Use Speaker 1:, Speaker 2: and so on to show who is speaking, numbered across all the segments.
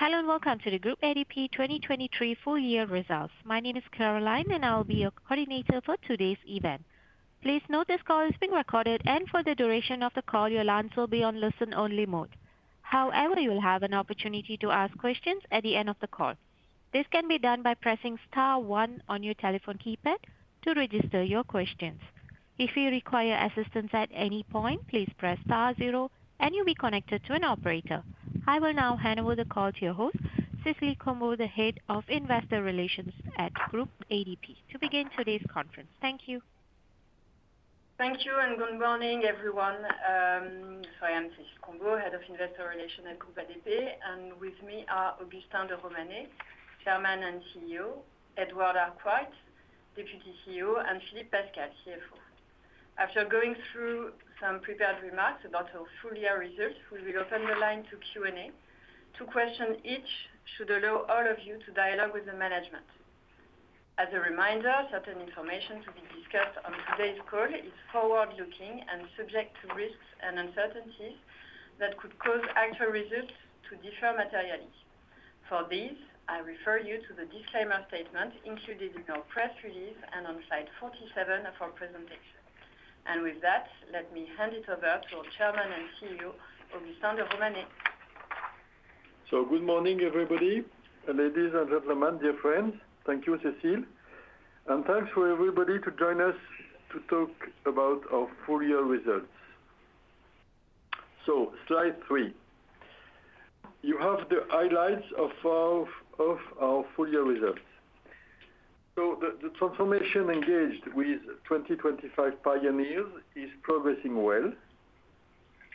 Speaker 1: Hello, and welcome to the Groupe ADP 2023 full year results. My name is Caroline, and I will be your coordinator for today's event. Please note this call is being recorded, and for the duration of the call, your lines will be on listen-only mode. However, you will have an opportunity to ask questions at the end of the call. This can be done by pressing star one on your telephone keypad to register your questions. If you require assistance at any point, please press star zero, and you'll be connected to an operator. I will now hand over the call to your host, Cécile Combeau, the Head of Investor Relations at Groupe ADP, to begin today's conference. Thank you.
Speaker 2: Thank you, and good morning, everyone. So I am Cécile Combeau, Head of Investor Relations at Groupe ADP, and with me are Augustin de Romanet, Chairman and CEO, Edward Arkwright, Deputy CEO, and Philippe Pascal, CFO. After going through some prepared remarks about our full year results, we will open the line to Q&A. Two questions each should allow all of you to dialogue with the management. As a reminder, certain information to be discussed on today's call is forward-looking and subject to risks and uncertainties that could cause actual results to differ materially. For this, I refer you to the disclaimer statement included in our press release and on slide 47 of our presentation. With that, let me hand it over to our Chairman and CEO, Augustin de Romanet.
Speaker 3: Good morning, everybody, ladies and gentlemen, dear friends. Thank you, Cécile, and thanks for everybody to join us to talk about our full-year results. Slide three. You have the highlights of our full-year results. The transformation engaged with 2025 Pioneers is progressing well,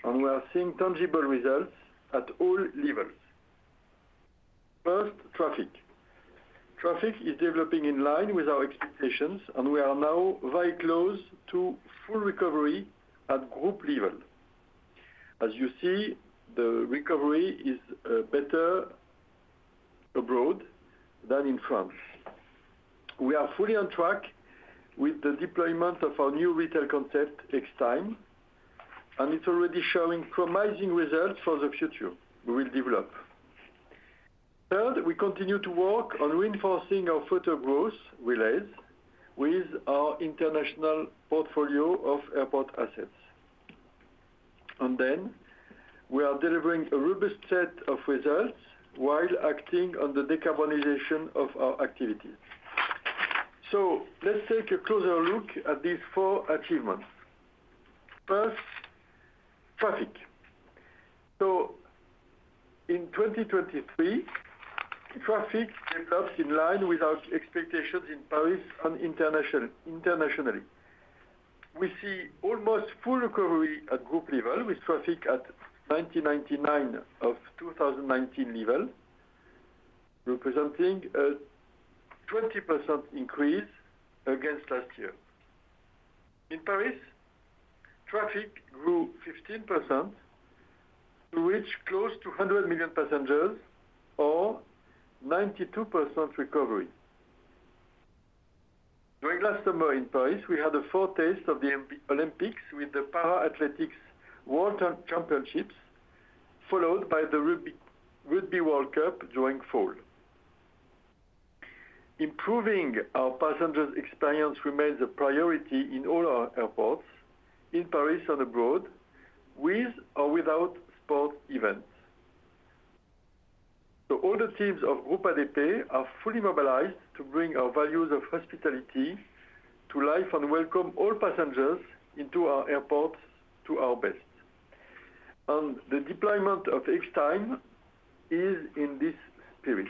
Speaker 3: and we are seeing tangible results at all levels. First, traffic. Traffic is developing in line with our expectations, and we are now very close to full recovery at group level. As you see, the recovery is better abroad than in France. We are fully on track with the deployment of our new retail concept, Extime, and it's already showing promising results for the future we will develop. Third, we continue to work on reinforcing our future growth relays with our international portfolio of airport assets. Then we are delivering a robust set of results while acting on the decarbonization of our activities. Let's take a closer look at these four achievements. First, traffic. In 2023, traffic recovered in line with our expectations in Paris and international, internationally. We see almost full recovery at group level, with traffic at 99% of 2019 level, representing a 20% increase against last year. In Paris, traffic grew 15% to reach close to 100 million passengers or 92% recovery. During last summer in Paris, we had a four pace of the Olympics with the Para Athletics World Championships, followed by the Rugby, Rugby World Cup during fall. Improving our passengers' experience remains a priority in all our airports, in Paris and abroad, with or without sports events. So all the teams of Groupe ADP are fully mobilized to bring our values of hospitality to life and welcome all passengers into our airports to our best. And the deployment of Extime is in this period.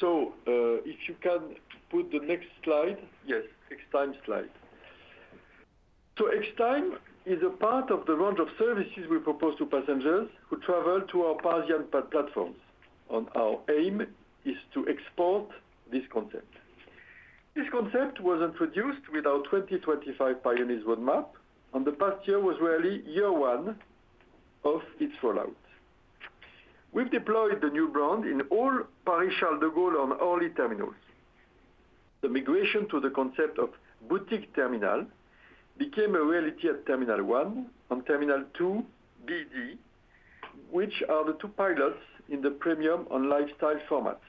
Speaker 3: So, if you can put the next slide. Yes, Extime slide. So Extime is a part of the range of services we propose to passengers who travel to our Parisian platforms, and our aim is to export this concept. This concept was introduced with our 2025 pioneers roadmap, and the past year was really year one of its rollout. We've deployed the new brand in all Paris-Charles de Gaulle on all terminals. The migration to the concept of boutique terminal became a reality at Terminal 1 and Terminal 2BD, which are the two pilots in the premium and lifestyle formats.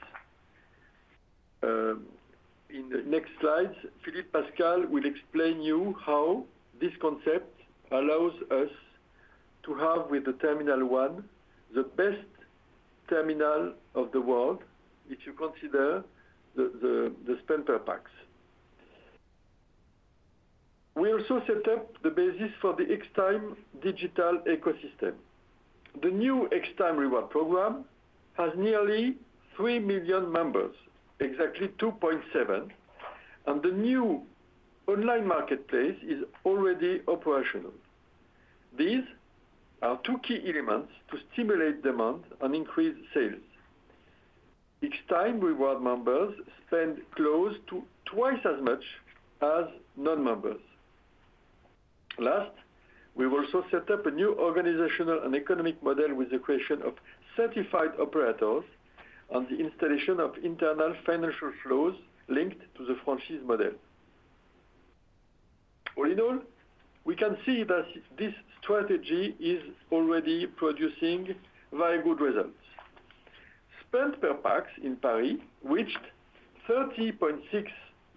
Speaker 3: In the next slides, Philippe Pascal will explain you how this concept allows us to have, with the terminal one, the best terminal of the world, if you consider the spend per pax. We also set up the basis for the Extime digital ecosystem. The new Extime reward program has nearly three million members, exactly 2.7, and the new online marketplace is already operational. These are two key elements to stimulate demand and increase sales. Extime reward members spend close to twice as much as non-members. Last, we've also set up a new organizational and economic model with the creation of certified operators and the installation of internal financial flows linked to the franchise model. All in all, we can see that this strategy is already producing very good results. Spend per pax in Paris reached 30.6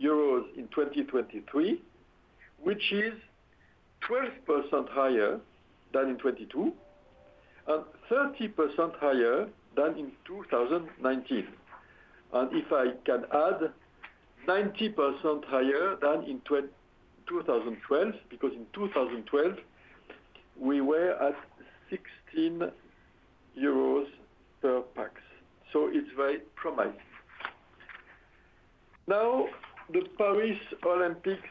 Speaker 3: euros in 2023, which is 12% higher than in 2022, and 30% higher than in 2019. And if I can add, 90% higher than in 2012, because in 2012, we were at 16 euros per pax. So it's very promising. Now, the Paris Olympics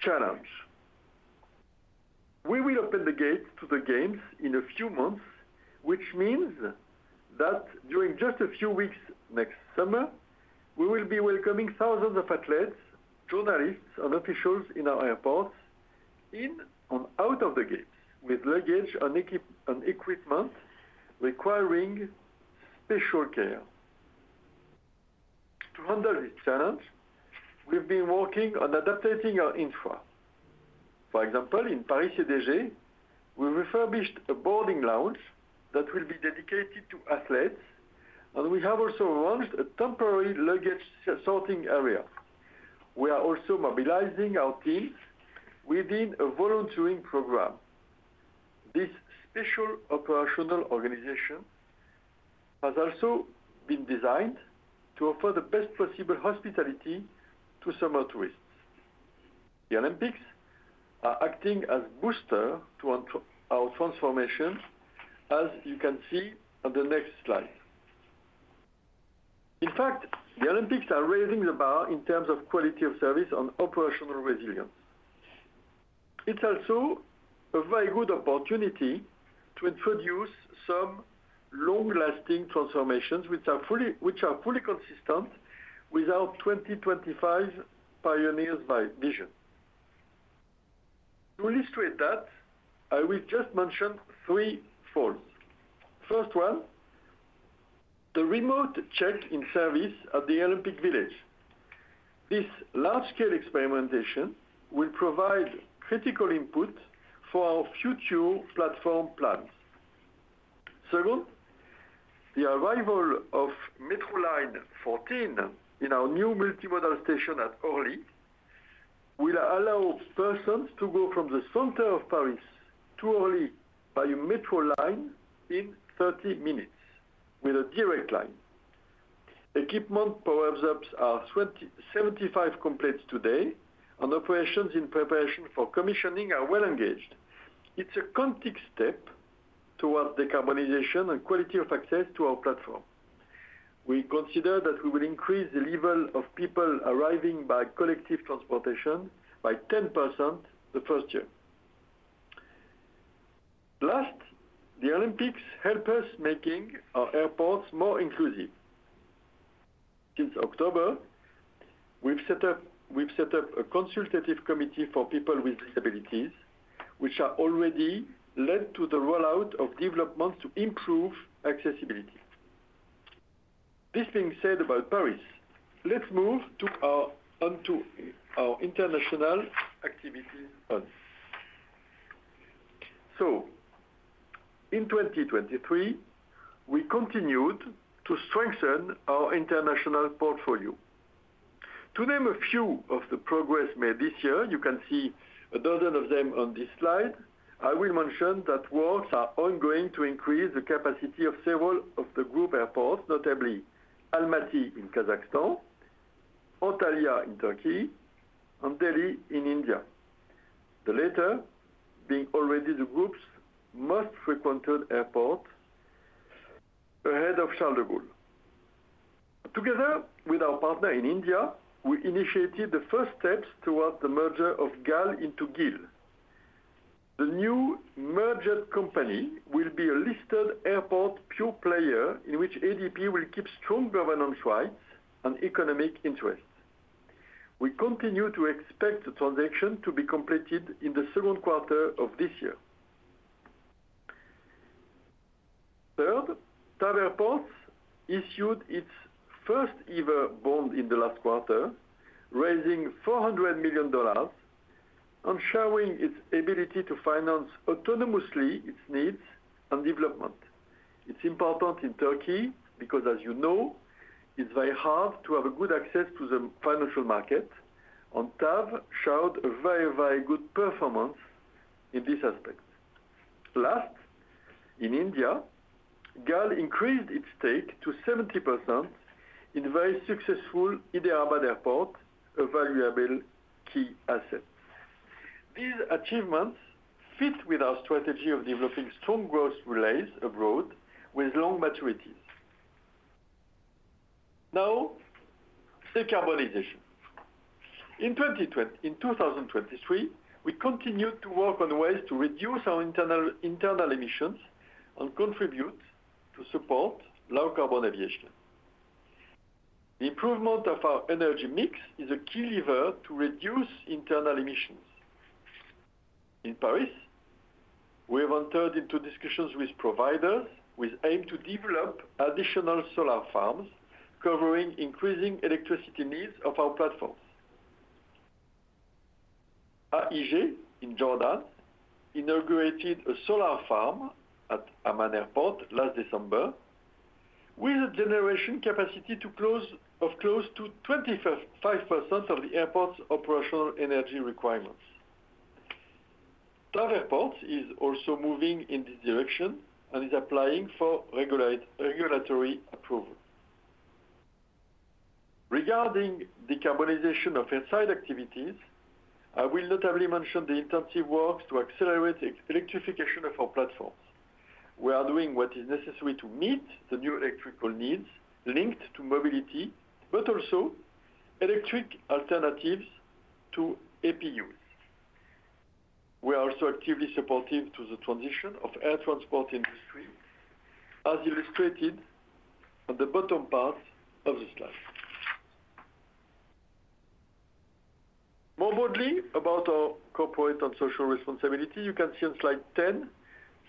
Speaker 3: challenge. We will open the gates to the games in a few months, which means that during just a few weeks next summer, we will be welcoming thousands of athletes, journalists, and officials in our airports, in and out of the gates, with luggage and equipment requiring special care. To handle this challenge, we've been working on adapting our infra. For example, in Paris-CDG, we refurbished a boarding lounge that will be dedicated to athletes, and we have also launched a temporary luggage sorting area. We are also mobilizing our teams within a volunteering program. This special operational organization has also been designed to offer the best possible hospitality to summer tourists. The Olympics are acting as booster to our, our transformation, as you can see on the next slide. In fact, the Olympics are raising the bar in terms of quality of service and operational resilience. It's also a very good opportunity to introduce some long-lasting transformations, which are fully, which are fully consistent with our 2025 Pioneers Vision. To illustrate that, I will just mention threefold. First one, the remote check-in service at the Olympic Village. This large-scale experimentation will provide critical input for our future platform plans. Second, the arrival of Metro Line 14 in our new multimodal station at Orly will allow persons to go from the center of Paris to Orly by a metro line in 30 minutes with a direct line. Equipment power-ups are 75% complete today, and operations in preparation for commissioning are well engaged. It's a context step towards decarbonization and quality of access to our platform. We consider that we will increase the level of people arriving by collective transportation by 10% the first year. Last, the Olympics help us making our airports more inclusive. Since October, we've set up a consultative committee for people with disabilities, which are already led to the rollout of developments to improve accessibility. This being said about Paris, let's move onto our international activity hubs. In 2023, we continued to strengthen our international portfolio. To name a few of the progress made this year, you can see a dozen of them on this slide. I will mention that works are ongoing to increase the capacity of several of the group airports, notably Almaty in Kazakhstan, Antalya in Turkey, and Delhi in India, the latter being already the group's most frequented airport ahead of Charles de Gaulle. Together with our partner in India, we initiated the first steps towards the merger of GAL into GIL. The new merged company will be a listed airport pure player, in which ADP will keep strong governance rights and economic interests. We continue to expect the transaction to be completed in the second quarter of this year. Third, TAV Airports issued its first ever bond in the last quarter, raising $400 million and showing its ability to finance autonomously its needs and development. It's important in Turkey because, as you know, it's very hard to have a good access to the financial market, and TAV showed a very, very good performance in this aspect. Last, in India, GAL increased its stake to 70% in very successful Hyderabad Airport, a valuable key asset. These achievements fit with our strategy of developing strong growth relays abroad with long maturities. Now, decarbonization. In 2023, we continued to work on ways to reduce our internal emissions and contribute to support low carbon aviation. The improvement of our energy mix is a key lever to reduce internal emissions. In Paris, we have entered into discussions with providers with aim to develop additional solar farms, covering increasing electricity needs of our platforms. AIG in Jordan inaugurated a solar farm at Amman Airport last December, with a generation capacity close to 25% of the airport's operational energy requirements. Other airports is also moving in this direction and is applying for regulatory approval. Regarding decarbonization of inside activities, I will notably mention the intensive works to accelerate the electrification of our platforms. We are doing what is necessary to meet the new electrical needs linked to mobility, but also electric alternatives to APUs. We are also actively supportive to the transition of air transport industry, as illustrated on the bottom part of this slide. More broadly, about our corporate and social responsibility, you can see on slide 10,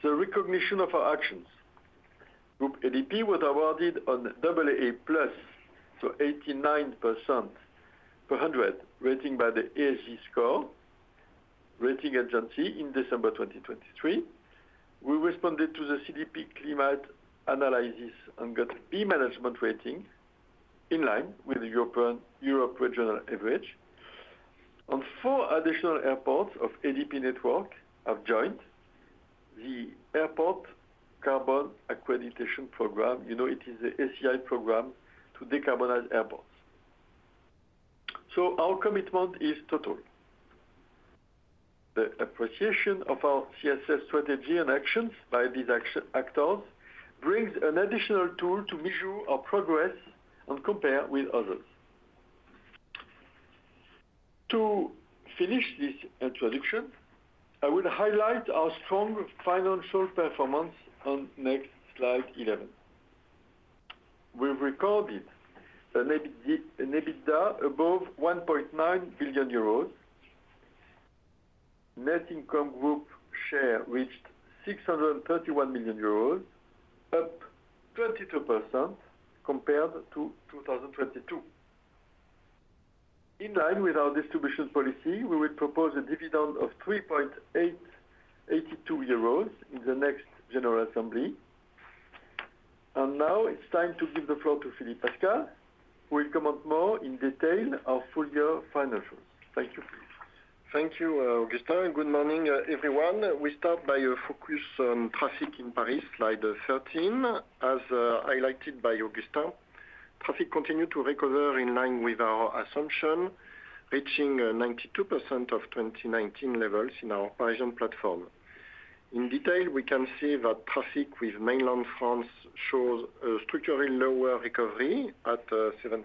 Speaker 3: the recognition of our actions. Groupe ADP was awarded an AA+, so 89%, rating by the ESG Score Rating Agency in December 2023. We responded to the CDP climate analysis and got B management rating, in line with the European, Europe regional average. Four additional airports of ADP network have joined the Airport Carbon Accreditation program. You know, it is the ACI program to decarbonize airports. So our commitment is total. The appreciation of our CSS strategy and actions by these actors brings an additional tool to measure our progress and compare with others. To finish this introduction, I will highlight our strong financial performance on next slide 11. We've recorded an EBITDA above 1.9 billion euros. Net income group share reached 631 million euros, up 22% compared to 2022. In line with our distribution policy, we will propose a dividend of 3.882 euros in the next general assembly. Now it's time to give the floor to Philippe Pascal, who will comment more in detail our full year financials. Thank you.
Speaker 4: Thank you, Augustin, and good morning, everyone. We start by a focus on traffic in Paris, slide 13. As highlighted by Augustin, traffic continued to recover in line with our assumption, reaching 92% of 2019 levels in our Parisian platform. In detail, we can see that traffic with mainland France shows a structurally lower recovery at 75%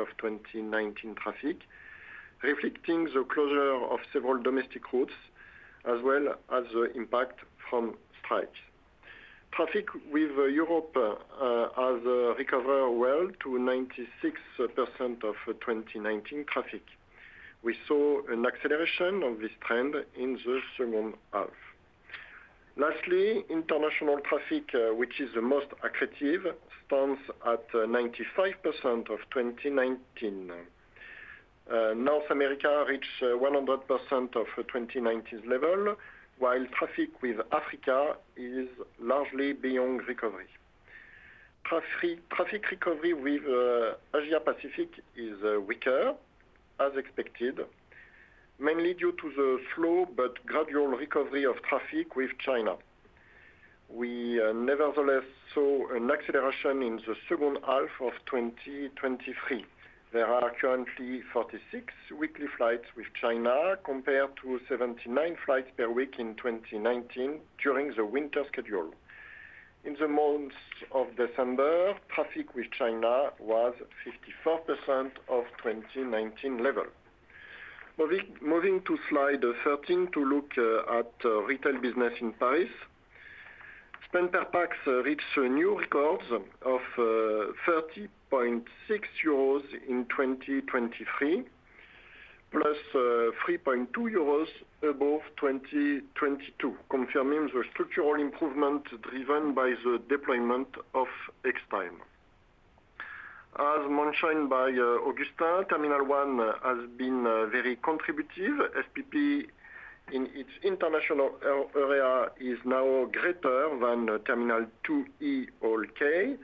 Speaker 4: of 2019 traffic, reflecting the closure of several domestic routes, as well as the impact from strikes. Traffic with Europe has recovered well to 96% of 2019 traffic. We saw an acceleration of this trend in the second half. Lastly, international traffic, which is the most accretive, stands at 95% of 2019. North America reached 100% of 2019 level, while traffic with Africa is largely beyond recovery. Traffic recovery with Asia-Pacific is weaker, as expected, mainly due to the slow but gradual recovery of traffic with China. We nevertheless saw an acceleration in the second half of 2023. There are currently 46 weekly flights with China, compared to 79 flights per week in 2019 during the winter schedule. In the month of December, traffic with China was 54% of 2019 level. Moving to slide 13 to look at retail business in Paris. Spend per pax reached new records of 30.6 euros in 2023, plus 3.2 euros above 2022, confirming the structural improvement driven by the deployment of Extime. As mentioned by Augustin, Terminal 1 has been very contributive. SPP in its international area is now greater than Terminal 2E or K,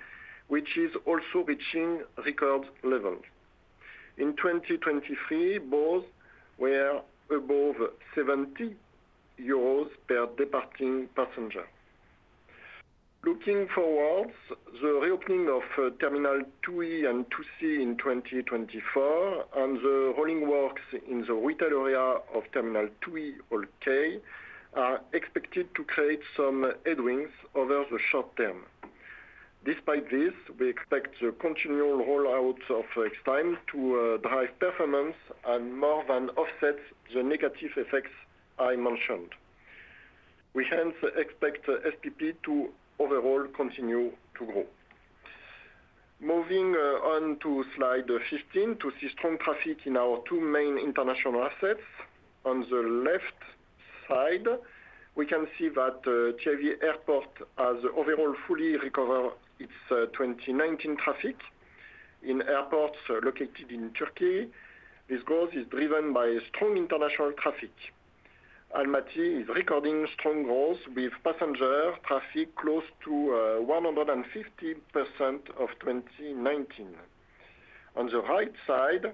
Speaker 4: which is also reaching record levels. In 2023, both were above 70 euros per departing passenger. Looking forward, the reopening of Terminal 2E and 2C in 2024, and the rolling works in the retail area of Terminal 2E or K, are expected to create some headwinds over the short term. Despite this, we expect the continual rollout of Extime to drive performance and more than offset the negative effects I mentioned. We hence expect SPP to overall continue to grow.... Moving on to slide 15, to see strong traffic in our two main international assets. On the left side, we can see that TAV Airports has overall fully recovered its 2019 traffic. In airports located in Turkey, this growth is driven by strong international traffic. Almaty is recording strong growth, with passenger traffic close to 150% of 2019. On the right side,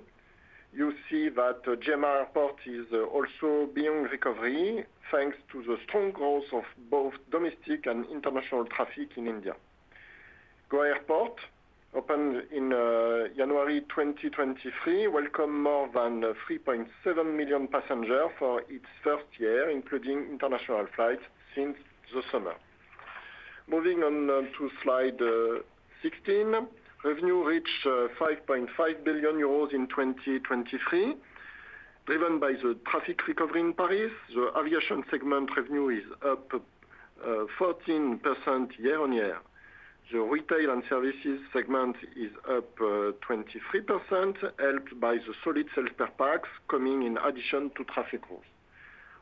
Speaker 4: you see that GMR Airport is also beyond recovery, thanks to the strong growth of both domestic and international traffic in India. Goa Airport, opened in January 2023, welcomed more than 3.7 million passengers for its first year, including international flights since the summer. Moving on to slide 16. Revenue reached 5.5 billion euros in 2023, driven by the traffic recovery in Paris. The aviation segment revenue is up 14% year-on-year. The retail and services segment is up 23%, helped by the solid sales per pax coming in addition to traffic growth.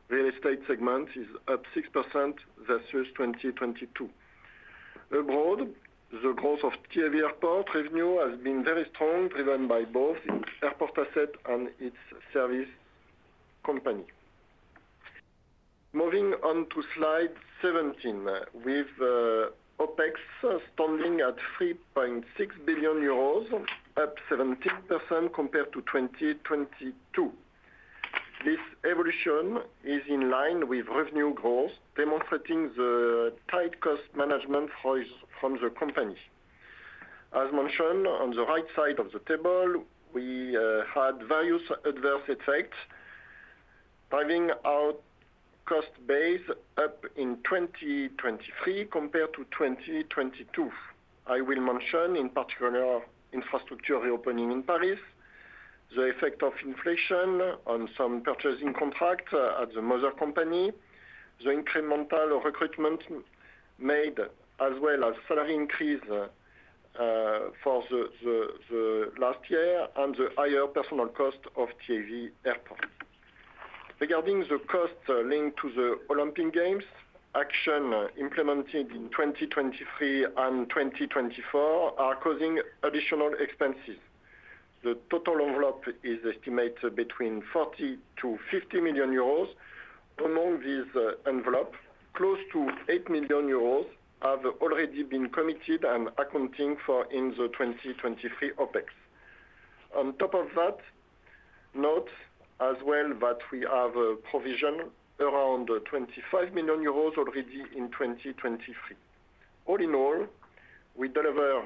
Speaker 4: Real estate segment is up 6% versus 2022. Abroad, the growth of TAV Airports revenue has been very strong, driven by both its airport asset and its service company. Moving on to slide 17. With OpEx standing at 3.6 billion euros, up 17% compared to 2022. This evolution is in line with revenue growth, demonstrating the tight cost management from the company. As mentioned, on the right side of the table, we had various adverse effects, driving our cost base up in 2023 compared to 2022. I will mention, in particular, infrastructure reopening in Paris, the effect of inflation on some purchasing contracts at the mother company, the incremental recruitment made, as well as salary increase for the last year, and the higher personal cost of TAV Airport. Regarding the costs linked to the Olympic Games, action implemented in 2023 and 2024 are causing additional expenses. The total envelope is estimated between 40 million-50 million euros. Among this envelope, close to 8 million euros have already been committed and accounting for in the 2023 OpEx. On top of that, note as well that we have a provision around 25 million euros already in 2023. All in all, we deliver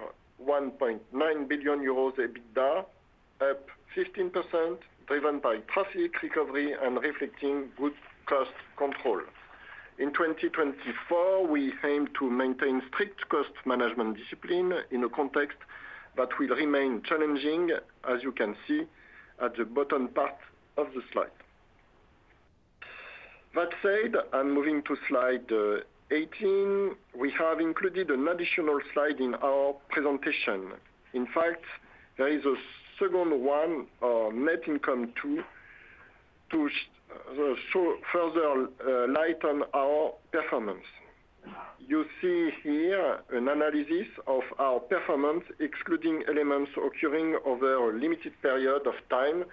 Speaker 4: 1.9 billion euros EBITDA, up 15%, driven by traffic recovery and reflecting good cost control. In 2024, we aim to maintain strict cost management discipline in a context that will remain challenging, as you can see at the bottom part of the slide. That said, I'm moving to slide 18. We have included an additional slide in our presentation. In fact, there is a second one, net income too, to show further light on our performance. You see here an analysis of our performance, excluding elements occurring over a limited period of time,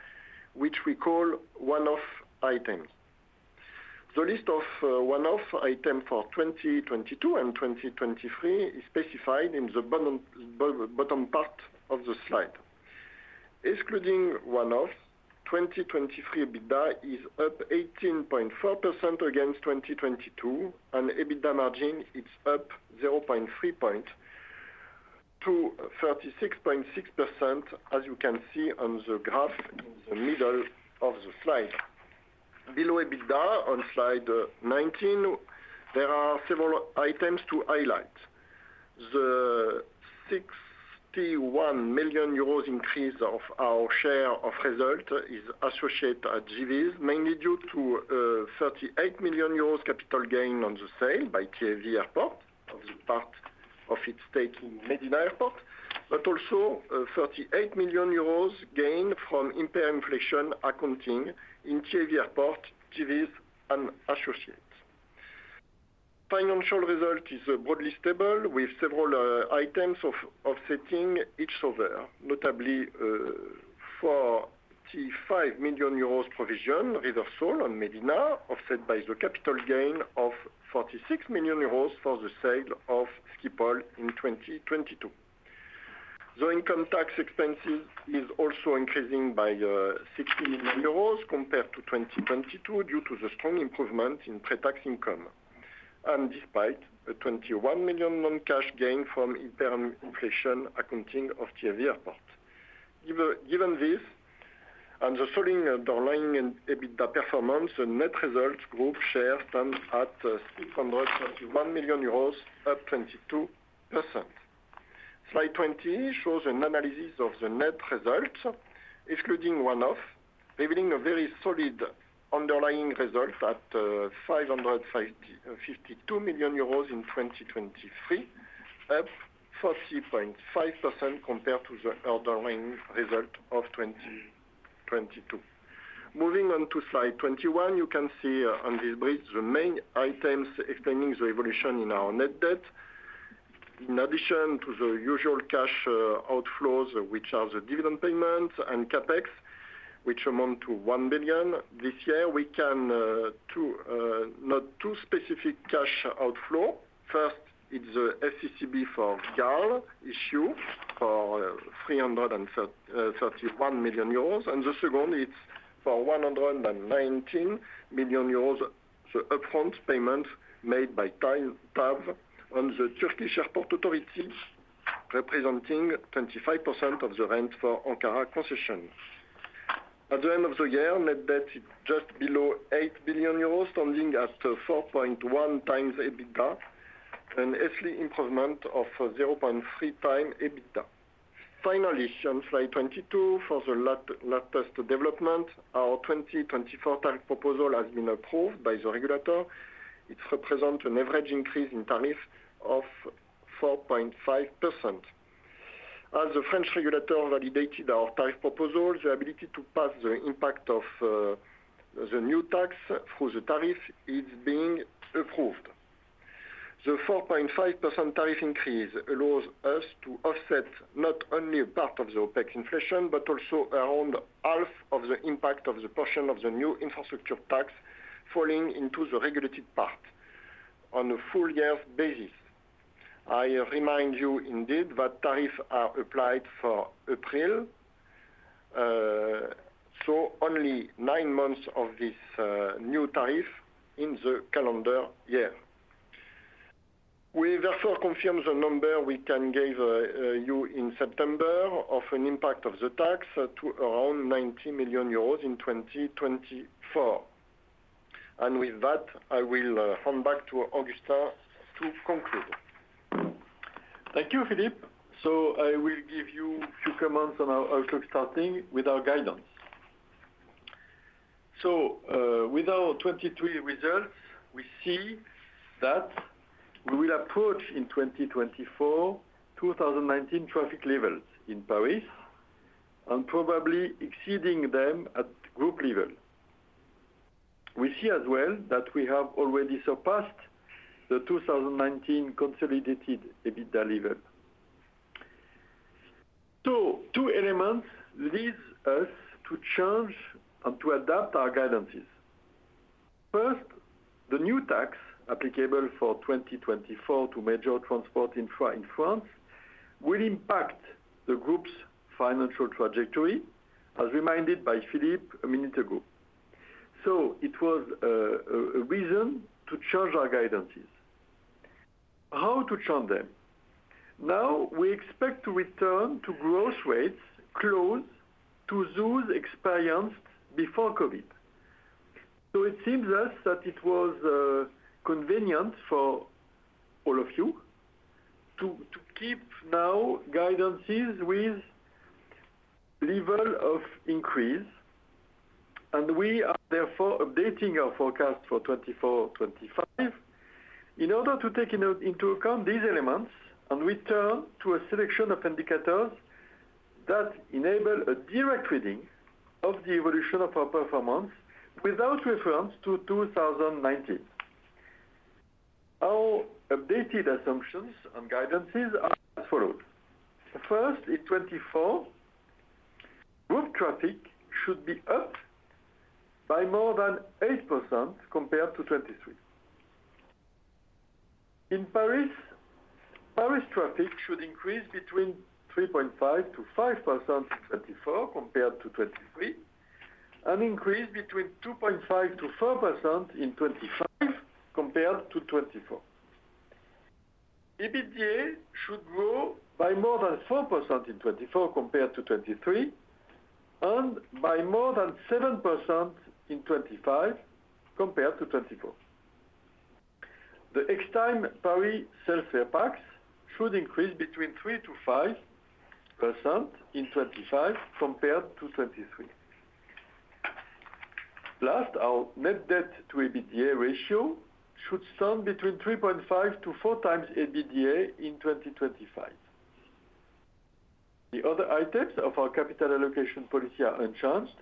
Speaker 4: which we call one-off items. The list of one-off item for 2022 and 2023 is specified in the bottom, bottom part of the slide. Excluding one-off, 2023 EBITDA is up 18.4% against 2022, and EBITDA margin is up zero point three point to 36.6%, as you can see on the graph in the middle of the slide. Below EBITDA, on slide 19, there are several items to highlight. The 61 million euros increase of our share of result is associated at JV, mainly due to, thirty-eight million euros capital gain on the sale by TAV Airports of the part of its stake in Medina Airport, but also a 38 million euros gain from hyperinflation accounting in TAV Airports, JVs and associates. Financial result is broadly stable, with several items offsetting each other, notably, 45 million euros provision reversal on Medina, offset by the capital gain of 46 million euros for the sale of Schiphol in 2022. The income tax expenses is also increasing by, sixty million euros compared to 2022, due to the strong improvement in pre-tax income, and despite a 21 million non-cash gain from hyperinflation accounting of TAV Airports. Given this, and the falling underlying EBITDA performance, the net results group share stands at 621 million euros, up 22%. Slide 20 shows an analysis of the net results, excluding one-off.... revealing a very solid underlying result at 552 million euros in 2023, up 40.5% compared to the underlying result of 2022. Moving on to Slide 21, you can see on this bridge, the main items explaining the evolution in our net debt. In addition to the usual cash outflows, which are the dividend payments and CapEx, which amount to 1 billion this year, we can note two specific cash outflow. First, it's the FCCB for GAL issue for 331 million euros, and the second it's for 119 million euros, the upfront payment made by TAV on the Turkish Airport Authority, representing 25% of the rent for Ankara concession. At the end of the year, net debt is just below 8 billion euros, standing at 4.1 times EBITDA, a yearly improvement of 0.3 times EBITDA. Finally, on slide 22, for the latest development, our 2024 tariff proposal has been approved by the regulator. It represents an average increase in tariff of 4.5%. As the French regulator validated our tariff proposal, the ability to pass the impact of the new tax through the tariff is being approved. The 4.5% tariff increase allows us to offset not only a part of the OPEX inflation, but also around half of the impact of the portion of the new infrastructure tax falling into the regulated part on a full year basis. I remind you, indeed, that tariffs are applied for April, so only 9 months of this new tariff in the calendar year. We therefore confirm the number we can give you in September of an impact of the tax to around 90 million euros in 2024. And with that, I will hand back to Augustin to conclude.
Speaker 3: Thank you, Philippe. So I will give you a few comments on our outlook, starting with our guidance. So, with our 2023 results, we see that we will approach in 2024, 2019 traffic levels in Paris, and probably exceeding them at group level. We see as well, that we have already surpassed the 2019 consolidated EBITDA level. So two elements leads us to change and to adapt our guidance. First, the new tax applicable for 2024 to major transport infra in France, will impact the group's financial trajectory, as reminded by Philippe a minute ago. So it was, a reason to change our guidance. How to change them? Now, we expect to return to growth rates close to those experienced before COVID. So it seems to us that it was convenient for all of you to keep now guidance with level of increase, and we are therefore updating our forecast for 2024, 2025, in order to take into account these elements and return to a selection of indicators that enable a direct reading of the evolution of our performance without reference to 2019. Our updated assumptions and guidance are as follows: First, in 2024, group traffic should be up by more than 8% compared to 2023. In Paris, Paris traffic should increase between 3.5%-5% in 2024 compared to 2023, and increase between 2.5%-4% in 2025 compared to 2024. EBITDA should grow by more than 4% in 2024 compared to 2023, and by more than 7% in 2025 compared to 2024. The Extime Paris self-fare packs should increase between 3%-5% in 2025 compared to 2023. Last, our net debt to EBITDA ratio should stand between 3.5-4 times EBITDA in 2025. The other items of our capital allocation policy are unchanged,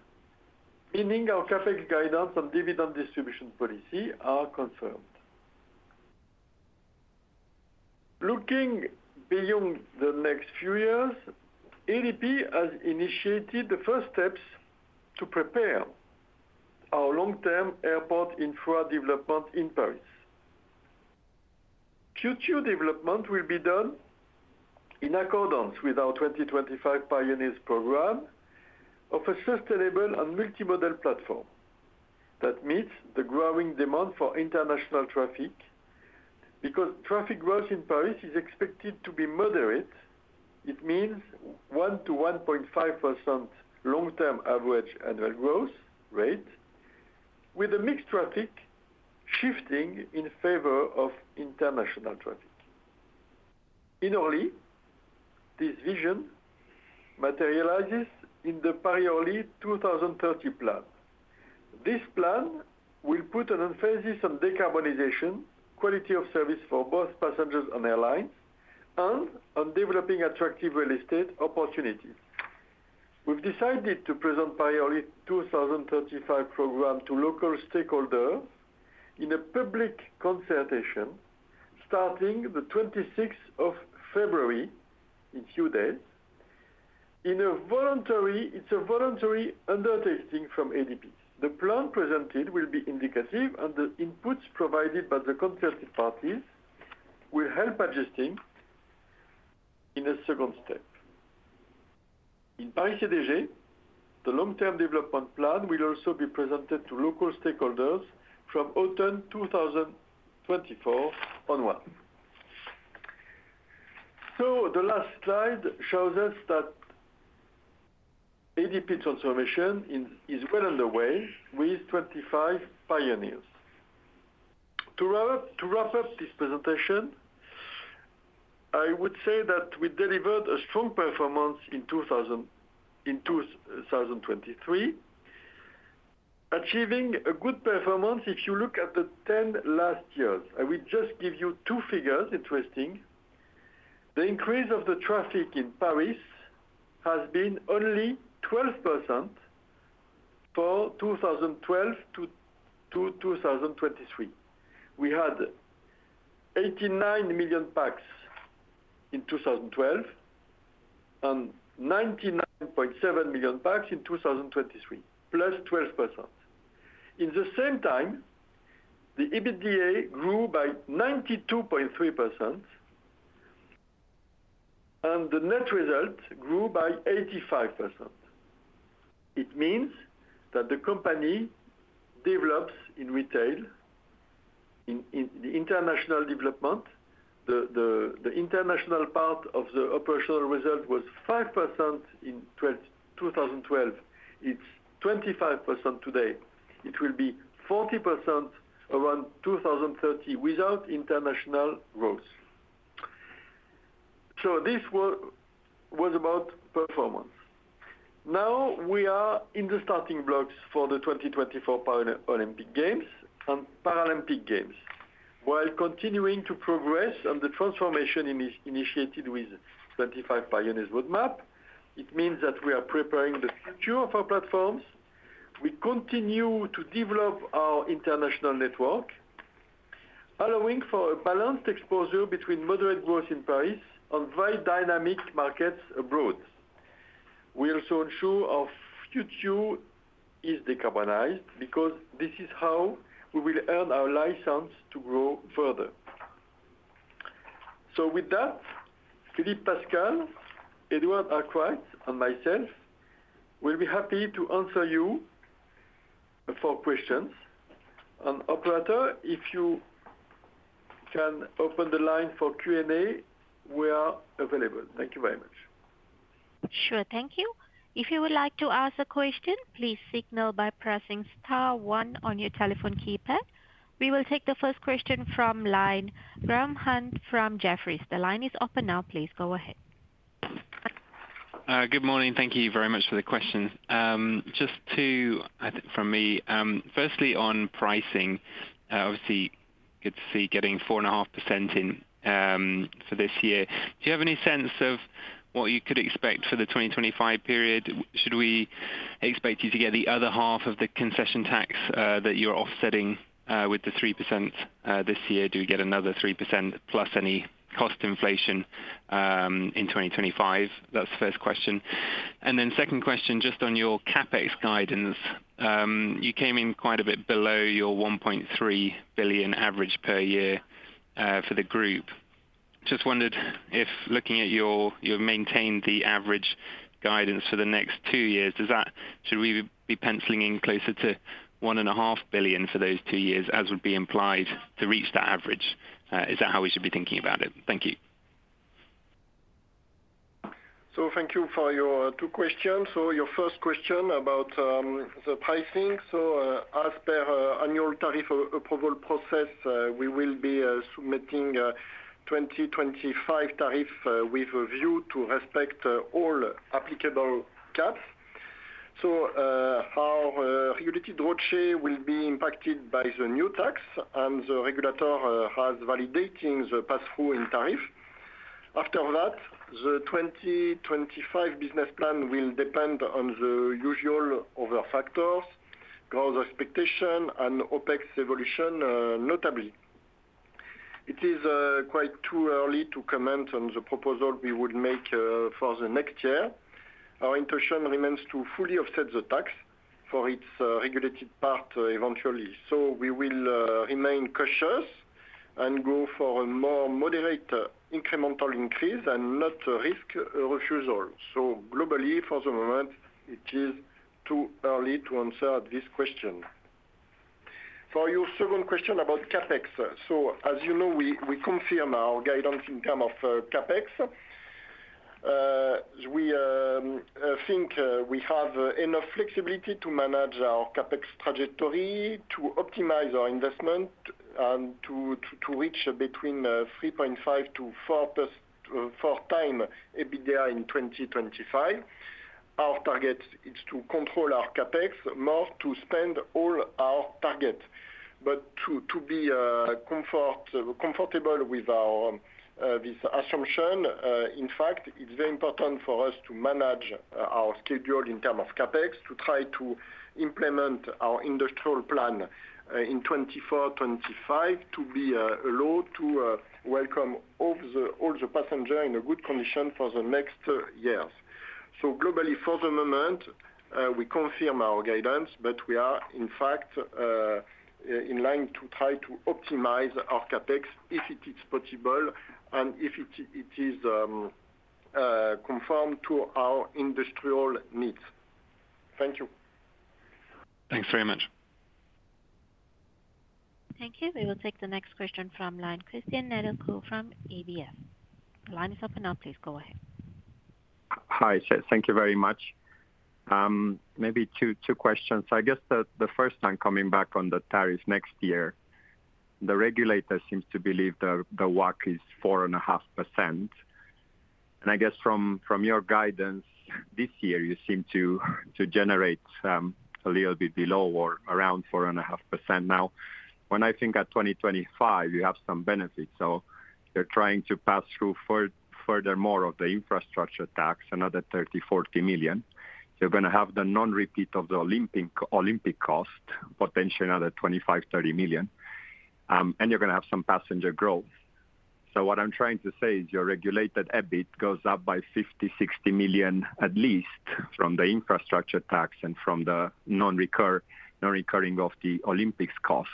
Speaker 3: meaning our CapEx guidance and dividend distribution policy are confirmed. Looking beyond the next few years, ADP has initiated the first steps to prepare our long-term airport infra development in Paris. Future development will be done in accordance with our 2025 pioneers program of a sustainable and multimodal platform that meets the growing demand for international traffic. Because traffic growth in Paris is expected to be moderate, it means 1%-1.5% long-term average annual growth rate, with a mixed traffic shifting in favor of international traffic. In 2023, this vision materializes in the Paris Aéroport 2030 plan. This plan will put an emphasis on decarbonization, quality of service for both passengers and airlines, and on developing attractive real estate opportunities. We've decided to present Paris Aéroport 2035 program to local stakeholders in a public consultation starting the 26th of February, in two days. It's a voluntary undertaking from ADP. The plan presented will be indicative, and the inputs provided by the concerted parties will help adjusting in a second step. In Paris-CDG, the long-term development plan will also be presented to local stakeholders from autumn 2024 onward. So the last slide shows us that ADP transformation in 2023 is well underway with 25 pioneers. To wrap, to wrap up this presentation, I would say that we delivered a strong performance in 2023, achieving a good performance if you look at the last 10 years. I will just give you two figures, interesting. The increase of the traffic in Paris has been only 12% for 2012 to 2023. We had 89 million pax in 2012, and 99.7 million pax in 2023, +12%. In the same time, the EBITDA grew by 92.3%, and the net result grew by 85%. It means that the company develops in retail, in the international development. The international part of the operational result was 5% in 2012. It's 25% today. It will be 40% around 2030 without international growth. This was about performance. Now, we are in the starting blocks for the 2024 Olympic and Paralympic Games, while continuing to progress on the transformation initiated with 25 Pioneers roadmap. It means that we are preparing the future of our platforms. We continue to develop our international network, allowing for a balanced exposure between moderate growth in Paris and very dynamic markets abroad. We also ensure our future is decarbonized because this is how we will earn our license to grow further. So with that, Philippe Pascal, Edward Arkwright, and myself will be happy to answer your questions. Operator, if you can open the line for Q&A, we are available. Thank you very much.
Speaker 1: Sure, thank you. If you would like to ask a question, please signal by pressing star one on your telephone keypad. We will take the first question from line, Graham Hunt from Jefferies. The line is open now. Please go ahead.
Speaker 5: Good morning. Thank you very much for the questions. Just to, I think from me, firstly, on pricing, obviously, good to see getting 4.5% in, for this year. Do you have any sense of what you could expect for the 2025 period? Should we expect you to get the other half of the concession tax, that you're offsetting, with the 3%, this year? Do we get another 3% plus any cost inflation, in 2025? That's the first question. And then second question, just on your CapEx guidance, you came in quite a bit below your 1.3 billion average per year, for the group. Just wondered if looking at your, you've maintained the average guidance for the next two years, does that, should we be penciling in closer to 1.5 billion for those two years, as would be implied, to reach that average? Is that how we should be thinking about it? Thank you.
Speaker 4: So thank you for your two questions. Your first question about the pricing. As per annual tariff approval process, we will be submitting 2025 tariff with a view to respect all applicable caps. Our utility draft share will be impacted by the new tax, and the regulator has validating the passthrough in tariff. After that, the 2025 business plan will depend on the usual other factors, growth expectation, and OpEx evolution, notably. It is quite too early to comment on the proposal we would make for the next year. Our intention remains to fully offset the tax for its regulated part eventually. We will remain cautious and go for a more moderate incremental increase and not risk refusal. So globally, for the moment, it is too early to answer this question. For your second question about CapEx, so as you know, we confirm our guidance in terms of CapEx.... I think, we have enough flexibility to manage our CapEx trajectory, to optimize our investment, and to reach between 3.5 to four times EBITDA in 2025. Our target is to control our CapEx more, to spend all our target. But to be comfortable with our this assumption, in fact, it's very important for us to manage our schedule in term of CapEx, to try to implement our industrial plan in 2024, 2025, to be allowed to welcome all the passenger in a good condition for the next years. So globally, for the moment, we confirm our guidance, but we are, in fact, in line to try to optimize our CapEx if it is possible and if it is conformed to our industrial needs. Thank you.
Speaker 5: Thanks very much.
Speaker 1: Thank you. We will take the next question from line, Cristian Nedelcu from UBS. The line is open now, please go ahead.
Speaker 6: Hi, sir. Thank you very much. Maybe two questions. I guess the first time coming back on the tariffs next year, the regulator seems to believe the WACC is 4.5%. And I guess from your guidance this year, you seem to generate a little bit below or around 4.5%. Now, when I think at 2025, you have some benefits. So they're trying to pass through further more of the infrastructure tax, another 30-40 million. You're gonna have the non-repeat of the Olympic cost, potentially another 25-30 million, and you're gonna have some passenger growth. So what I'm trying to say is your regulated EBIT goes up by 50-60 million, at least from the infrastructure tax and from the non-recurring of the Olympics cost.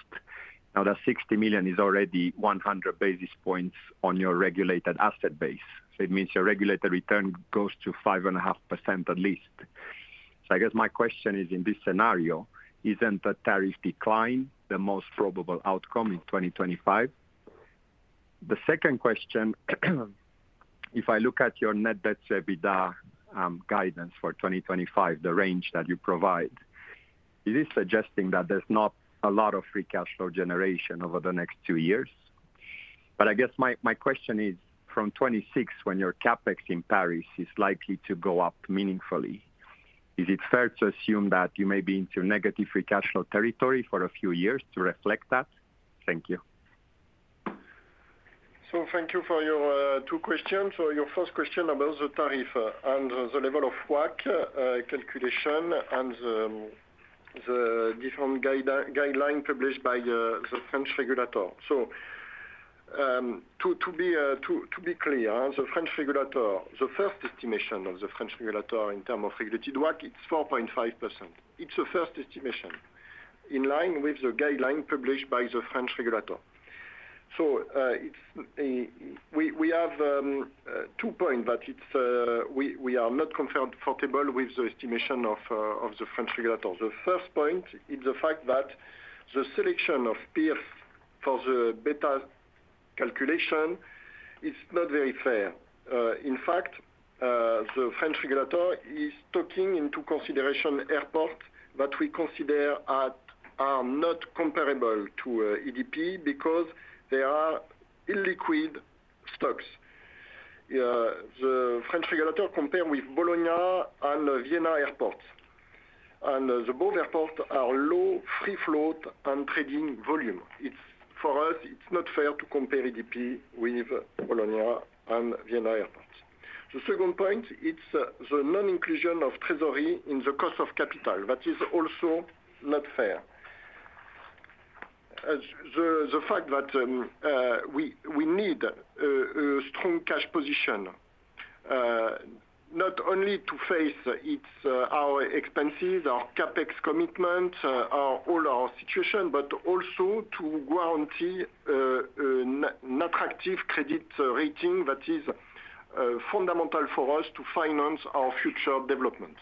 Speaker 6: Now, that 60 million is already 100 basis points on your regulated asset base. So it means your regulated return goes to 5.5% at least. So I guess my question is, in this scenario, isn't a tariff decline the most probable outcome in 2025? The second question, if I look at your net debt to EBITDA guidance for 2025, the range that you provide, it is suggesting that there's not a lot of free cash flow generation over the next two years. But I guess my, my question is, from 2026, when your CapEx in Paris is likely to go up meaningfully, is it fair to assume that you may be into negative free cash flow territory for a few years to reflect that? Thank you.
Speaker 4: So thank you for your two questions. So your first question about the tariff and the level of WACC calculation and the different guideline published by the French regulator. So to be clear, the French regulator, the first estimation of the French regulator in terms of regulated WACC, it's 4.5%. It's the first estimation, in line with the guideline published by the French regulator. So it's - we have two points, but it's we are not comfortable with the estimation of the French regulator. The first point is the fact that the selection of peers for the beta calculation is not very fair. In fact, the French regulator is taking into consideration airport, but we consider that are not comparable to ADP because they are illiquid stocks. The French regulator compare with Bologna and Vienna Airport, and the both airport are low free float and trading volume. It's, for us, it's not fair to compare ADP with Bologna and Vienna Airport. The second point, it's the non-inclusion of treasury in the cost of capital, that is also not fair. The fact that we need a strong cash position, not only to face its our expenses, our CapEx commitment, our all our situation, but also to guarantee an attractive credit rating that is fundamental for us to finance our future development.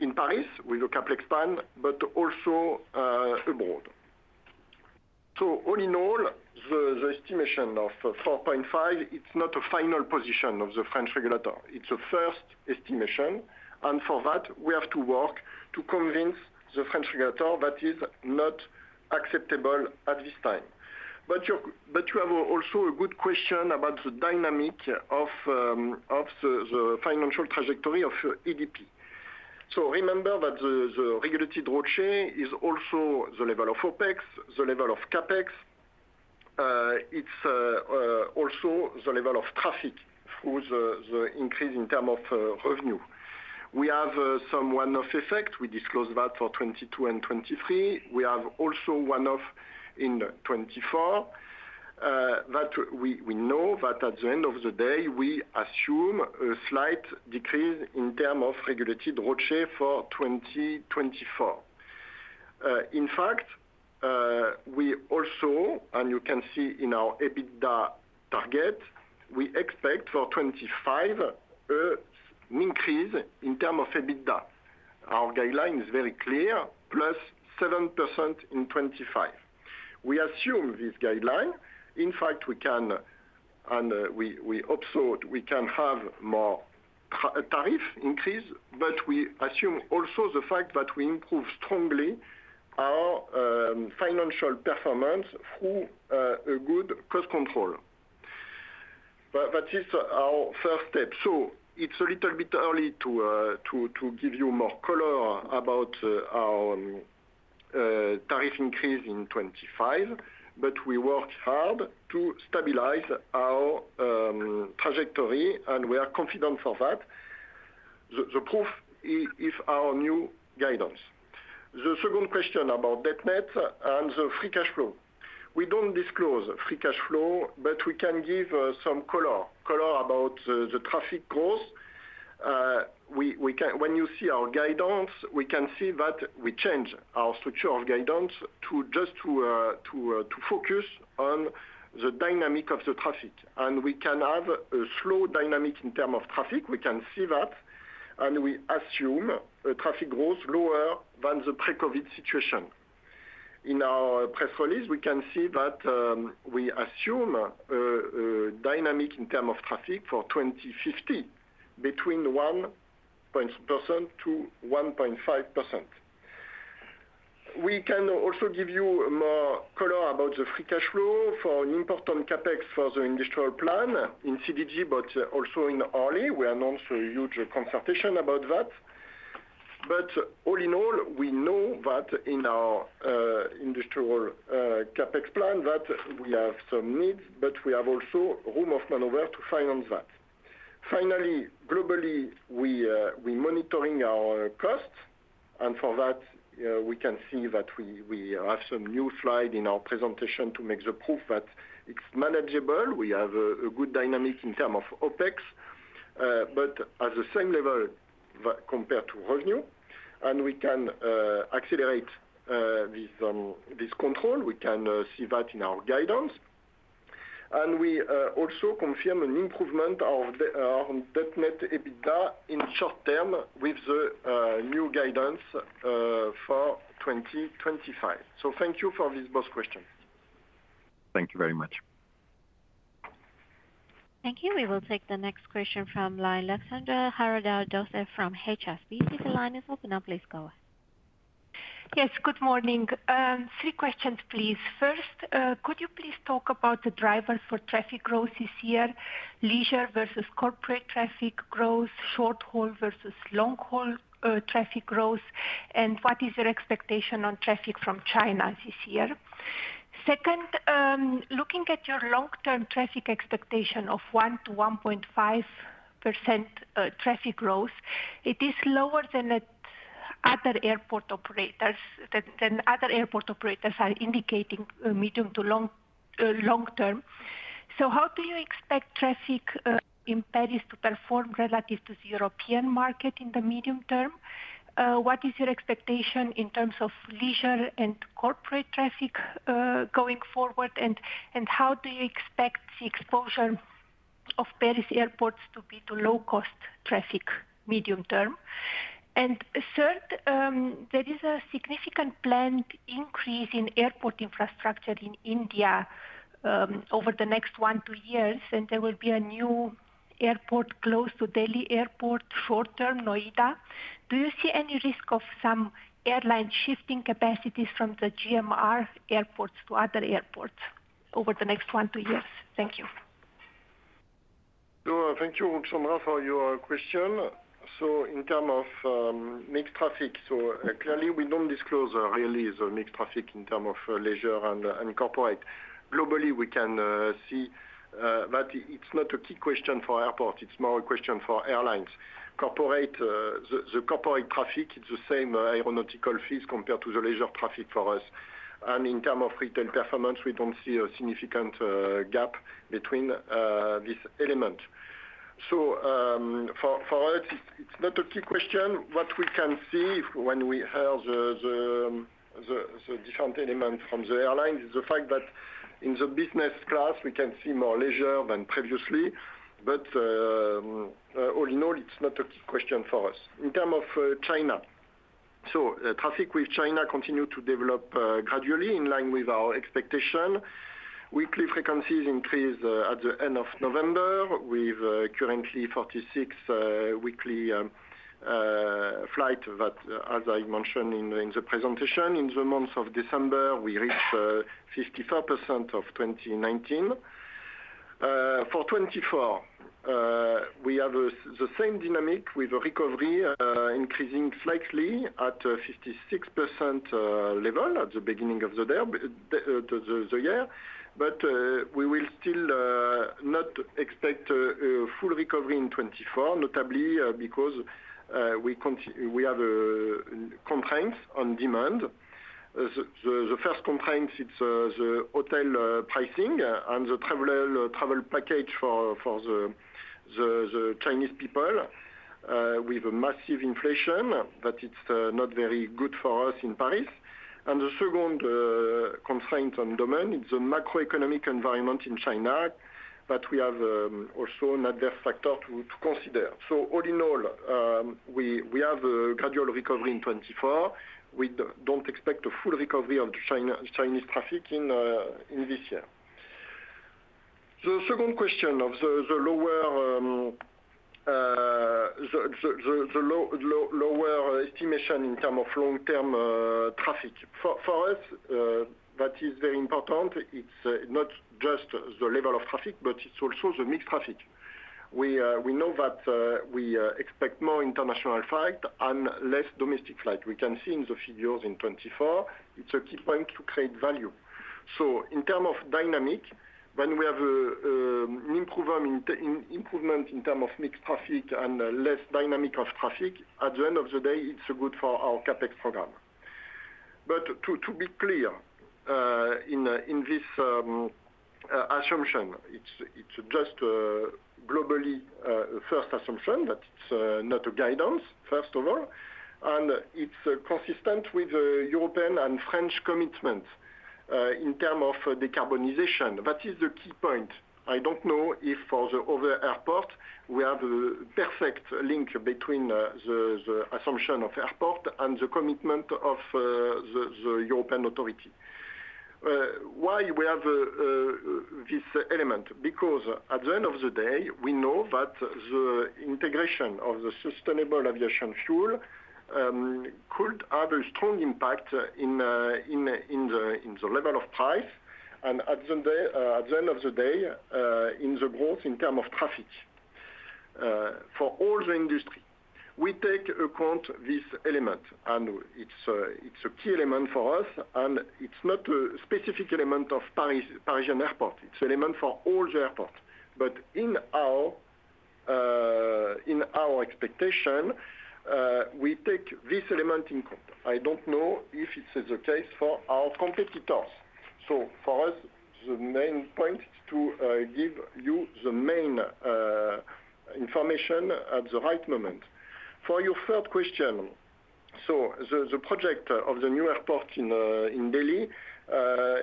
Speaker 4: In Paris, with the capital expand, but also abroad. So all in all, the estimation of 4.5, it's not a final position of the French regulator. It's a first estimation, and for that, we have to work to convince the French regulator that is not acceptable at this time. But you have also a good question about the dynamic of the financial trajectory of ADP. So remember that the regulated ROCE is also the level of OpEx, the level of CapEx. It's also the level of traffic through the increase in terms of revenue. We have some one-off effect. We disclose that for 2022 and 2023. We have also one-off in 2024, that we know that at the end of the day, we assume a slight decrease in terms of regulated ROACE for 2024. In fact, we also, and you can see in our EBITDA target, we expect for 2025 an increase in terms of EBITDA. Our guideline is very clear, +7% in 2025. We assume this guideline. In fact, we can and we hope so we can have more tariff increase, but we assume also the fact that we improve strongly our financial performance through a good cost control. But that is our first step. So it's a little bit early to give you more color about our tariff increase in 2025, but we worked hard to stabilize our trajectory, and we are confident for that. The proof is our new guidance. The second question about net debt and the free cash flow. We don't disclose free cash flow, but we can give some color about the traffic growth. When you see our guidance, we can see that we change our structure of guidance to just to focus on the dynamic of the traffic. And we can have a slow dynamic in term of traffic, we can see that, and we assume a traffic growth lower than the pre-COVID situation. In our press release, we can see that, we assume dynamic in term of traffic for 2050, between 1%-1.5%. We can also give you more color about the free cash flow for an important CapEx for the industrial plan in CDG, but also in Orly. We announced a huge consultation about that. But all in all, we know that in our industrial CapEx plan, that we have some needs, but we have also room for maneuver to finance that. Finally, globally, we are monitoring our costs, and for that, we can see that we have some new slide in our presentation to make the proof that it's manageable. We have a good dynamic in terms of OpEx, but at the same level, but compared to revenue, and we can accelerate this control. We can see that in our guidance. And we also confirm an improvement of the net debt to EBITDA in short term with the new guidance for 2025. So thank you for these both questions.
Speaker 6: Thank you very much.
Speaker 1: Thank you. We will take the next question from line. Ruxandra Haradau-Döser from HSBC. The line is open now, please go ahead.
Speaker 7: Yes, good morning. Three questions, please. First, could you please talk about the drivers for traffic growth this year, leisure versus corporate traffic growth, short-haul versus long-haul, traffic growth, and what is your expectation on traffic from China this year? Second, looking at your long-term traffic expectation of 1-1.5% traffic growth, it is lower than the other airport operators, than other airport operators are indicating, medium to long, long term. So how do you expect traffic, in Paris to perform relative to the European market in the medium term? What is your expectation in terms of leisure and corporate traffic, going forward? And how do you expect the exposure of Paris airports to be to low-cost traffic, medium term? And third, there is a significant planned increase in airport infrastructure in India over the next one to two years, and there will be a new airport close to Delhi Airport, short-term Noida. Do you see any risk of some airlines shifting capacities from the GMR Airports to other airports over the next one to two years? Thank you.
Speaker 4: So thank you, Ruxandra, for your question. So in terms of mixed traffic, so clearly, we don't disclose really the mixed traffic in terms of leisure and corporate. Globally, we can see that it's not a key question for airport, it's more a question for airlines. Corporate, the corporate traffic, it's the same aeronautical fees compared to the leisure traffic for us. And in terms of retail performance, we don't see a significant gap between this element. So for us, it's not a key question. What we can see when we have the different element from the airlines is the fact that in the business class, we can see more leisure than previously. But all in all, it's not a key question for us. In terms of China. So traffic with China continue to develop gradually in line with our expectation. Weekly frequencies increased at the end of November, with currently 46 weekly flight, but as I mentioned in the presentation, in the month of December, we reached 54% of 2019. For 2024, we have the same dynamic with recovery increasing slightly at a 56% level at the beginning of the year, but the year. But we will still not expect a full recovery in 2024, notably because we have constraints on demand. The first constraints it's the hotel pricing and the traveler travel package for the Chinese people with a massive inflation, that it's not very good for us in Paris. The second constraint on demand is the macroeconomic environment in China, that we have also an adverse factor to consider. So all in all, we have a gradual recovery in 2024. We don't expect a full recovery on Chinese traffic in this year. The second question of the lower estimation in term of long-term traffic. For us, that is very important. It's not just the level of traffic, but it's also the mixed traffic. We know that we expect more international flight and less domestic flight. We can see in the figures in 2024, it's a key point to create value. So in terms of dynamic, when we have an improvement in improvement in terms of mixed traffic and less dynamic of traffic, at the end of the day, it's good for our CapEx program. But to be clear, in this assumption, it's just globally first assumption, but it's not a guidance, first of all, and it's consistent with the European and French commitment in terms of decarbonization. That is the key point. I don't know if for the other airport, we have the perfect link between the assumption of airport and the commitment of the European Authority. Why we have this element? Because at the end of the day, we know that the integration of the sustainable aviation fuel could have a strong impact in the level of price, and at the end of the day, in the growth in term of traffic for all the industry. We take account this element, and it's a key element for us, and it's not a specific element of Paris, Parisian airport, it's element for all the airports. But in our expectation, we take this element in count. I don't know if it's the case for our competitors. So for us, the main point is to give you the main information at the right moment. For your third question, so the project of the new airport in Delhi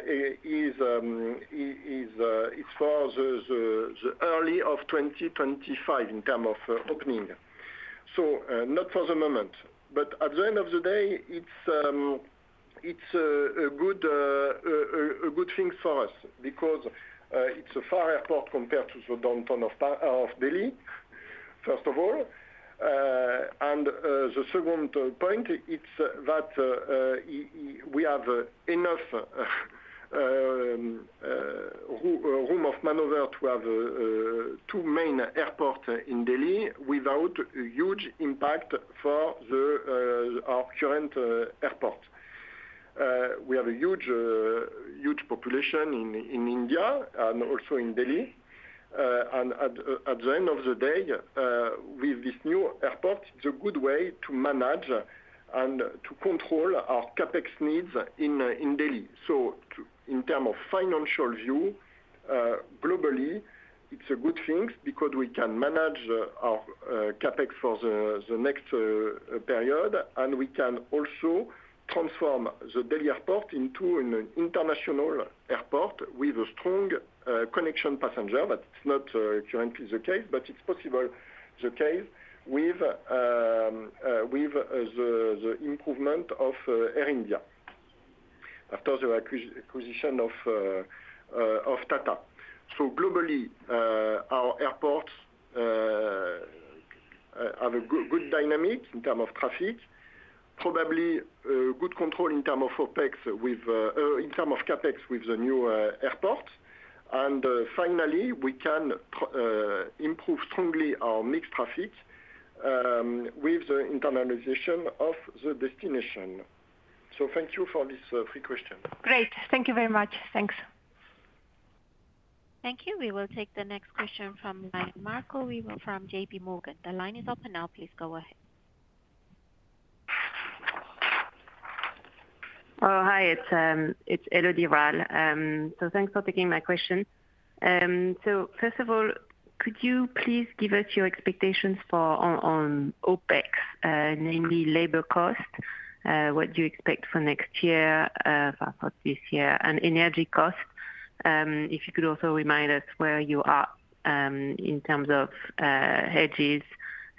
Speaker 4: is it's for the early of 2025 in term of opening. So, not for the moment, but at the end of the day, it's a good thing for us because it's a far airport compared to the downtown of Delhi, first of all. And the second point, it's that we have enough room of maneuver to have two main airport in Delhi without a huge impact for our current airport. We have a huge population in India and also in Delhi. At the end of the day, with this new airport, it's a good way to manage and to control our CapEx needs in Delhi. So in term of financial view, globally, it's a good thing because we can manage our CapEx for the next period, and we can also transform the Delhi airport into an international airport with a strong connection passenger. But it's not currently the case, but it's possible the case with the improvement of Air India after the acquisition of Tata. So globally, our airports have a good dynamic in term of traffic, probably good control in term of OpEx with in term of CapEx with the new airport. And finally, we can improve strongly our mixed traffic with the internalization of the destination. So thank you for this three question.
Speaker 7: Great. Thank you very much. Thanks.
Speaker 1: Thank you. We will take the next question from line Marco Weaver from JP Morgan. The line is open now. Please go ahead.
Speaker 8: Oh, hi, it's Elodie Rall. So thanks for taking my question. So first of all, could you please give us your expectations for on OpEx, namely labor cost? What do you expect for next year, apart this year, and energy costs? If you could also remind us where you are in terms of hedges,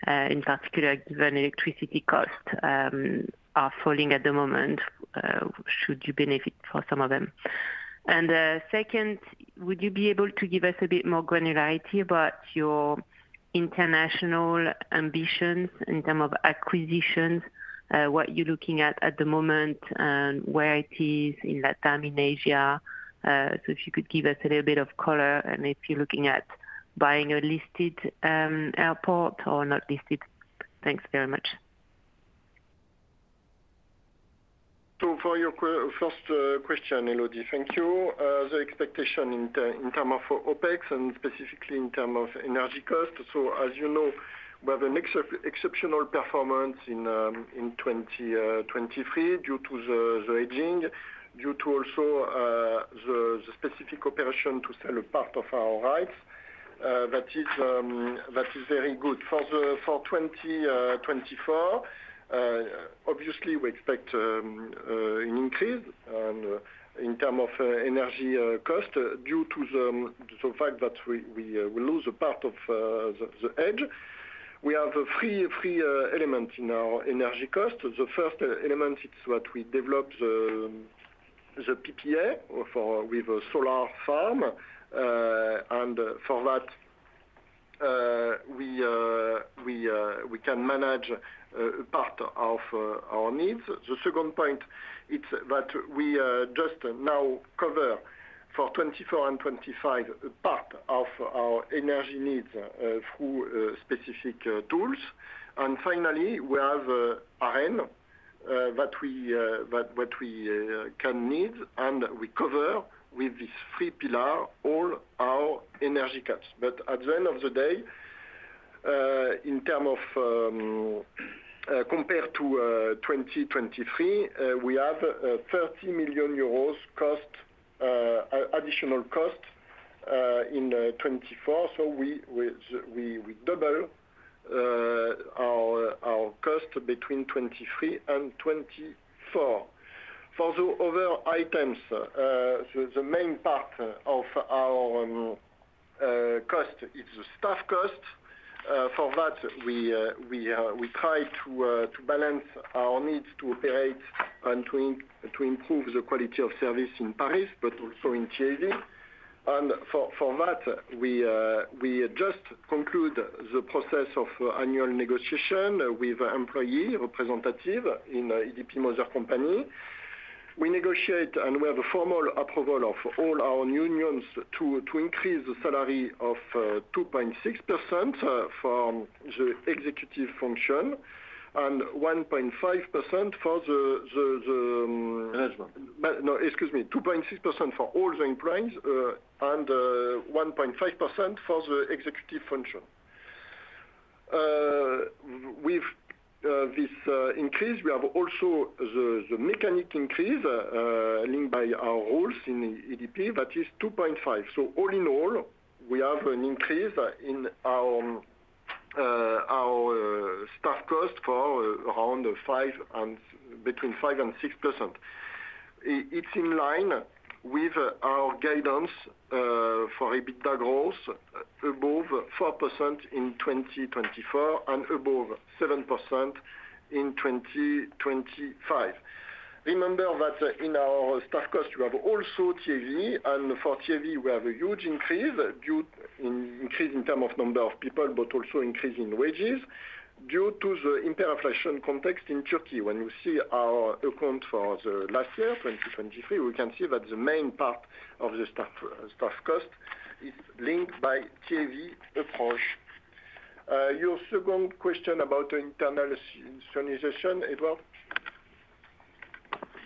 Speaker 8: in particular, given electricity costs are falling at the moment, should you benefit for some of them? And second, would you be able to give us a bit more granularity about your international ambitions in term of acquisitions, what you're looking at at the moment and where it is in Latin, in Asia? So if you could give us a little bit of color and if you're looking at buying a listed airport or not listed. Thanks very much.
Speaker 4: So for your first question, Elodie, thank you. The expectation in terms of OpEx and specifically in terms of energy cost. So as you know, we have an exceptional performance in 2023, due to the hedging, due to also the specific operation to sell a part of our rights. That is very good. For 2024, obviously, we expect an increase in terms of energy cost, due to the fact that we lose a part of the hedge. We have three elements in our energy cost. The first element, it's what we developed the PPA for with a solar farm. And for that, we can manage a part of our needs. The second point, it's that we just now cover for 2024 and 2025 part of our energy needs through specific tools. And finally, we have RN that we can need, and we cover with this three pillar, all our energy costs. But at the end of the day, in terms of compared to 2023, we have 30 million euros additional cost in 2024. So we double our cost between 2023 and 2024. For the other items, so the main part of our cost is the staff cost. For that, we try to balance our needs to operate and to improve the quality of service in Paris, but also in TAV. For that, we just conclude the process of annual negotiation with employee representative in ADP Mother Company. We negotiate, and we have a formal approval of all our unions to increase the salary of 2.6% from the executive function and 1.5% for the,
Speaker 9: Management.
Speaker 4: But no, excuse me, 2.6% for all the employees, and 1.5% for the executive function. With this increase, we have also the mechanic increase linked by our rules in ADP, that is 2.5. So all in all, we have an increase in our staff cost for around 5% and between 5%-6%. It's in line with our guidance for EBITDA growth, above 4% in 2024 and above 7% in 2025. Remember that in our staff cost, we have also TAV, and for TAV, we have a huge increase, due increase in term of number of people, but also increase in wages due to the hyperinflation context in Turkey. When you see our account for the last year, 2023, we can see that the main part of the staff, staff cost is linked by TAV Airports. Your second question about internal synchronization, Edward?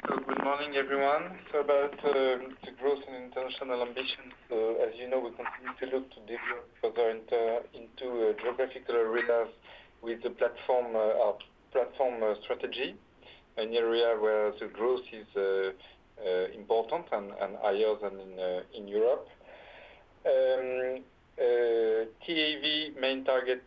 Speaker 9: Good morning, everyone. So about the growth and international ambition, so as you know, we continue to look to develop further into geographical arenas with the platform strategy, an area where the growth is important and higher than in Europe. TAV main project,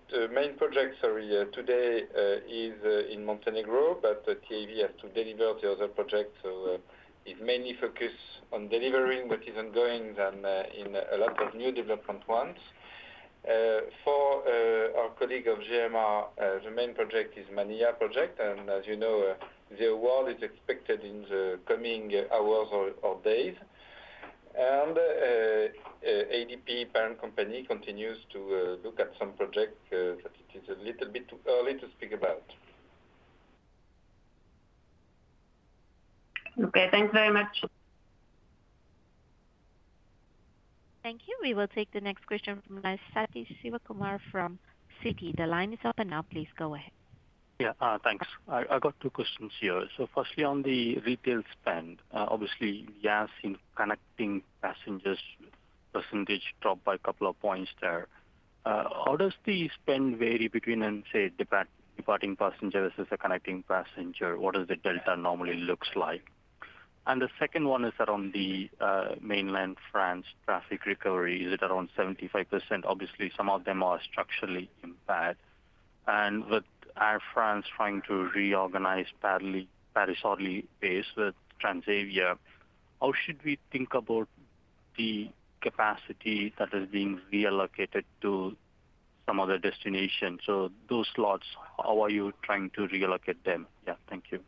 Speaker 9: sorry, today is in Montenegro, but TAV has to deliver the other project, so it mainly focus on delivering what is ongoing than in a lot of new development ones. For our colleague of GMR, the main project is Noida project, and as you know, the award is expected in the coming hours or days. ADP parent company continues to look at some projects, but it is a little bit too early to speak about.
Speaker 8: Okay, thanks very much.
Speaker 1: Thank you. We will take the next question from Sathish Sivakumar from Citi. The line is open now. Please go ahead.
Speaker 10: Yeah, thanks. I got two questions here. So firstly, on the retail spend, obviously, yeah, I've seen connecting passengers percentage drop by a couple of points there. How does the spend vary between, say, departing passengers and connecting passengers? What is the delta normally look like? And the second one is that on the mainland France traffic recovery, is it around 75%? Obviously, some of them are structurally impacted. And with Air France trying to reorganize badly, Paris-Orly base with Transavia, how should we think about the capacity that is being reallocated to some other destination? So those slots, how are you trying to reallocate them? Yeah, thank you.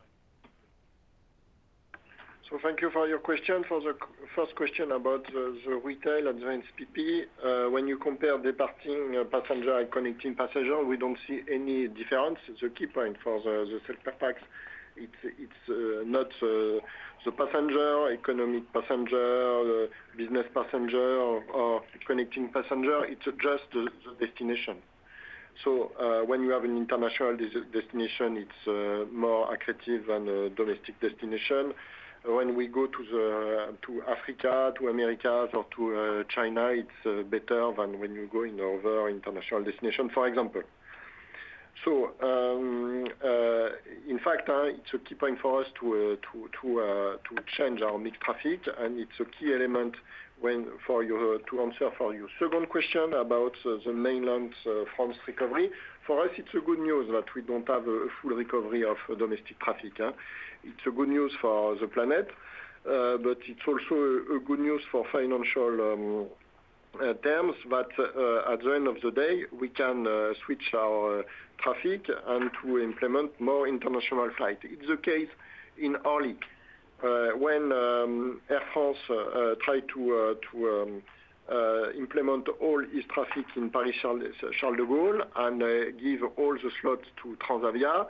Speaker 4: Thank you for your question. For the first question about the retail and the NPP, when you compare departing passenger and connecting passenger, we don't see any difference. The key point for the sales impact, it's not the passenger, economic passenger, business passenger, or connecting passenger, it's just the destination. So, when you have an international destination, it's more attractive than a domestic destination. When we go to Africa, to Americas, or to China, it's better than when you go in other international destination, for example. So, in fact, it's a key point for us to change our traffic mix, and it's a key element to answer your second question about the mainland France recovery. For us, it's a good news that we don't have a full recovery of domestic traffic. It's a good news for the planet, but it's also a good news for financial terms, but at the end of the day, we can switch our traffic and to implement more international flight. It's the case in Orly. When Air France tried to implement all its traffic in Paris-Charles de Gaulle, and give all the slots to Transavia,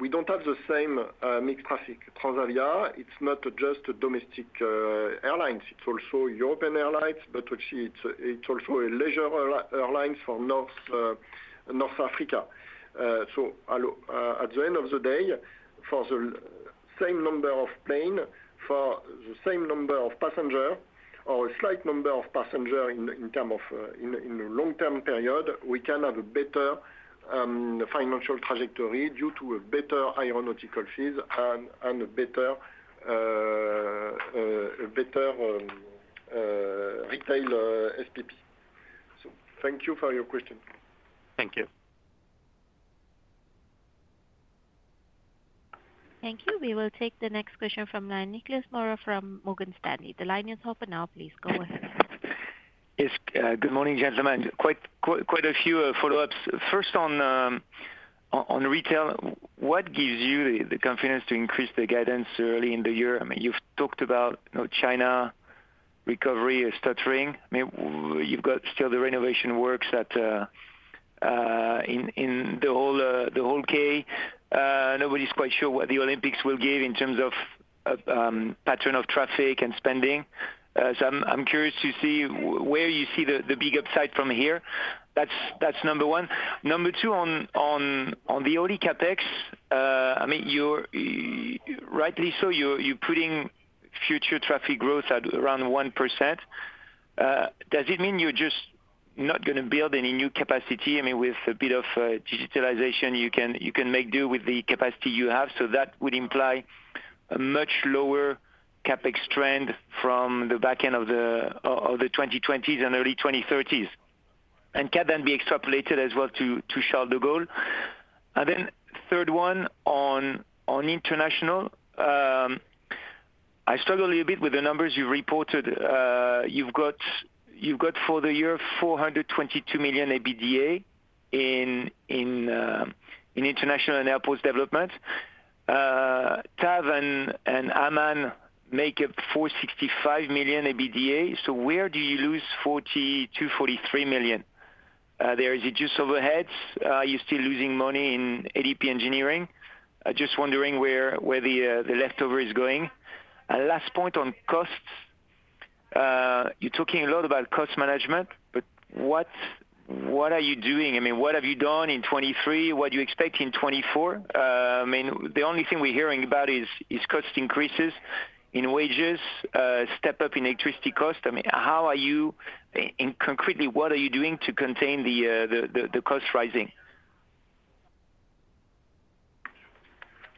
Speaker 4: we don't have the same mixed traffic. Transavia, it's not just domestic airlines, it's also European airlines, but it's also a leisure airlines for North Africa. So, at the end of the day, for the same number of planes, for the same number of passengers or a slight number of passengers in terms of the long-term period, we can have a better financial trajectory due to a better aeronautical fees and a better retail SPP. So thank you for your question.
Speaker 10: Thank you.
Speaker 1: Thank you. We will take the next question from line, Nicolas Mora from Morgan Stanley. The line is open now, please go ahead.
Speaker 11: Yes, good morning, gentlemen. Quite a few follow-ups. First on retail, what gives you the confidence to increase the guidance early in the year? I mean, you've talked about, you know, China recovery is stuttering. I mean, you've got still the renovation works at in the whole CDG. Nobody's quite sure what the Olympics will give in terms of pattern of traffic and spending. So I'm curious to see where you see the big upside from here. That's number one. Number two, on the Orly CapEx, I mean, you're rightly so putting future traffic growth at around 1%. Does it mean you're just not gonna build any new capacity? I mean, with a bit of digitalization, you can, you can make do with the capacity you have, so that would imply a much lower CapEx trend from the back end of the 2020s and early 2030s. Can that be extrapolated as well to Charles de Gaulle? Then third one, on international, I struggle a little bit with the numbers you reported. You've got for the year, 422 million EBITDA in international and airports development. TAV and GMR make up 465 million EBITDA. So where do you lose 42-43 million? There are just overheads. You're still losing money in ADP Engineering. I'm just wondering where the leftover is going. And last point on costs, you're talking a lot about cost management, but what, what are you doing? I mean, what have you done in 2023? What do you expect in 2024? I mean, the only thing we're hearing about is cost increases in wages, step up in electricity cost. I mean, how are you and concretely, what are you doing to contain the cost rising?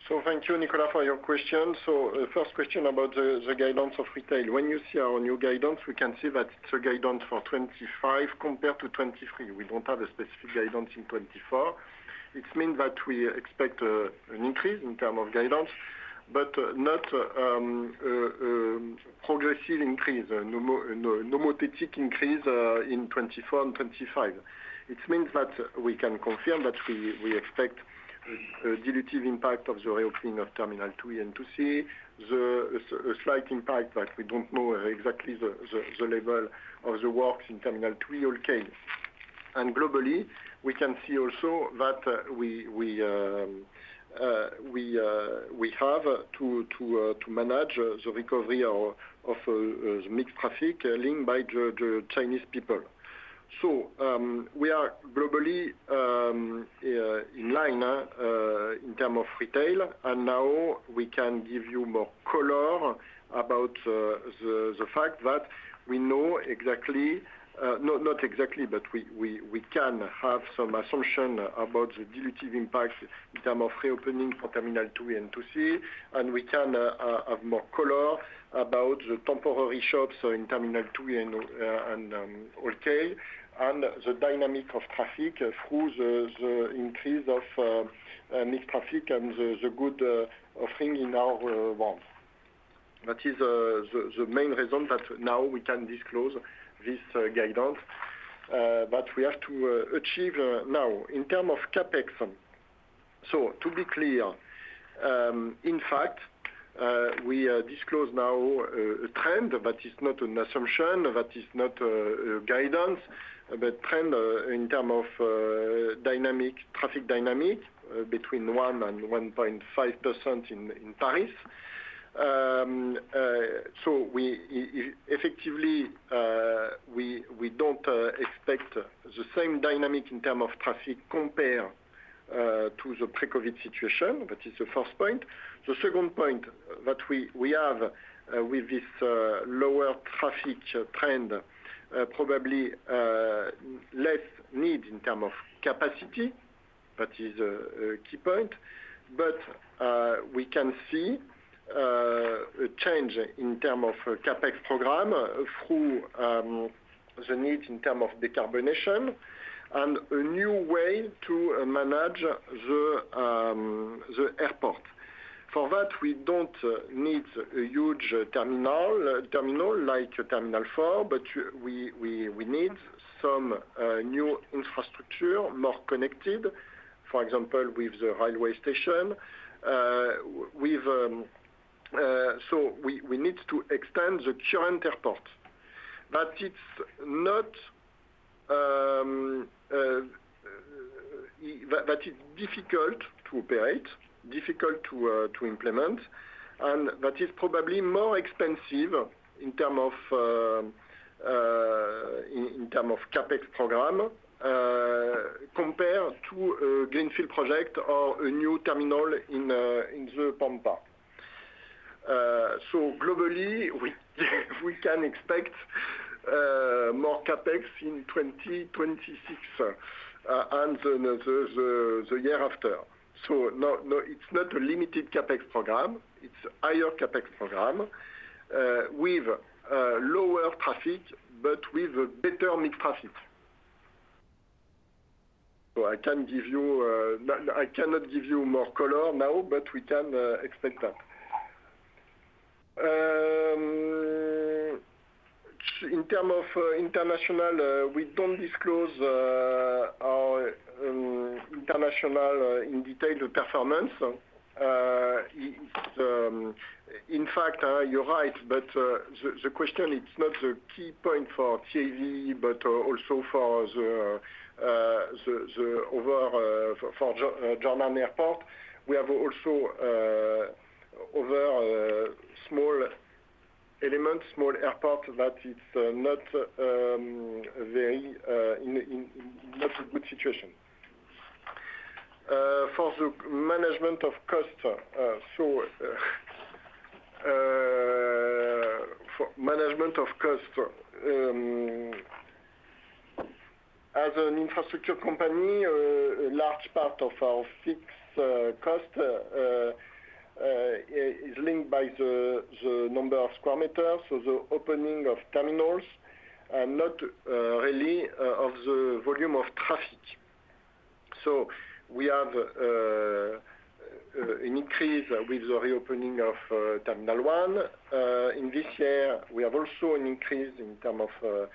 Speaker 4: So thank you, Nicolas, for your question. So, first question about the guidance of retail. When you see our new guidance, we can see that it's a guidance for 2025 compared to 2023. We don't have a specific guidance in 2024. It means that we expect an increase in term of guidance, but not progressive increase, no more, no more specific increase in 2024 and 2025. It means that we can confirm that we expect a dilutive impact of the reopening of Terminal 2 and 2C. A slight impact, but we don't know exactly the level of the works in Terminal 2 or K. Globally, we can see also that we have to manage the recovery of the mixed traffic linked by the Chinese people. So, we are globally in line in term of retail, and now we can give you more color about the fact that we know exactly, not exactly, but we can have some assumption about the dilutive impact in term of reopening for Terminal 2 and 2C, and we can have more color about the temporary shops in Terminal 2 and Orly. And the dynamic of traffic through the increase of mixed traffic and the good offering in our world. That is the main reason that now we can disclose this guidance, but we have to achieve now. In terms of CapEx, so to be clear, in fact, we disclose now a trend, but it's not an assumption, that is not a guidance, but trend, in terms of dynamic, traffic dynamic between 1%-1.5% in Paris. So we effectively don't expect the same dynamic in terms of traffic compared to the pre-COVID situation, that is the first point. The second point that we have with this lower traffic trend, probably less need in terms of capacity. That is a key point. But we can see a change in terms of CapEx program through the need in terms of decarbonization and a new way to manage the airport. For that, we don't need a huge terminal like Terminal 4, but we need some new infrastructure more connected, for example, with the highway station. So we need to extend the current airport. But it's not that that is difficult to operate, difficult to implement, and that is probably more expensive in terms of CapEx program compared to a greenfield project or a new terminal in the Pampa. So globally, we can expect more CapEx in 2026 and the year after. So no, no, it's not a limited CapEx program. It's a higher CapEx program, with lower traffic, but with better mixed traffic. So I can give you... I cannot give you more color now, but we can expect that. In term of international, we don't disclose our international in detail, the performance. It's—In fact, you're right, but the question, it's not the key point for CDG, but also for the overall, for CDG, Charles de Gaulle Airport. We have also other small elements, small airport, that is not very in, in not a good situation. For the management of cost, so for management of cost, as an infrastructure company, a large part of our fixed cost is linked by the number of square meters, so the opening of terminals, and not really of the volume of traffic. So we have an increase with the reopening of Terminal 1. In this year, we have also an increase in terms of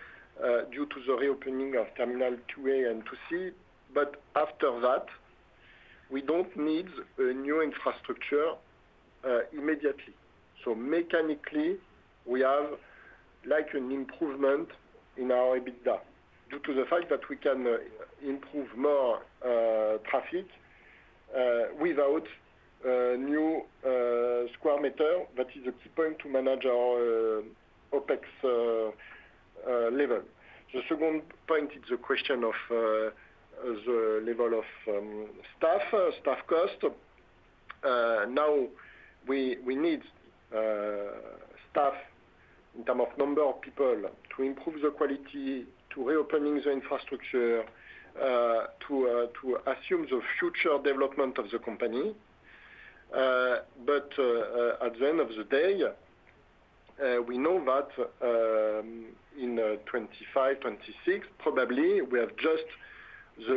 Speaker 4: due to the reopening of Terminal 2A and 2C, but after that, we don't need a new infrastructure immediately. So mechanically, we have like an improvement in our EBITDA due to the fact that we can improve more traffic without new square meter. That is a key point to manage our OpEx level. The second point is the question of the level of staff cost. Now, we need staff in term of number of people to improve the quality, to reopening the infrastructure, to assume the future development of the company. But at the end of the day, we know that in 2025, 2026, probably, we have just the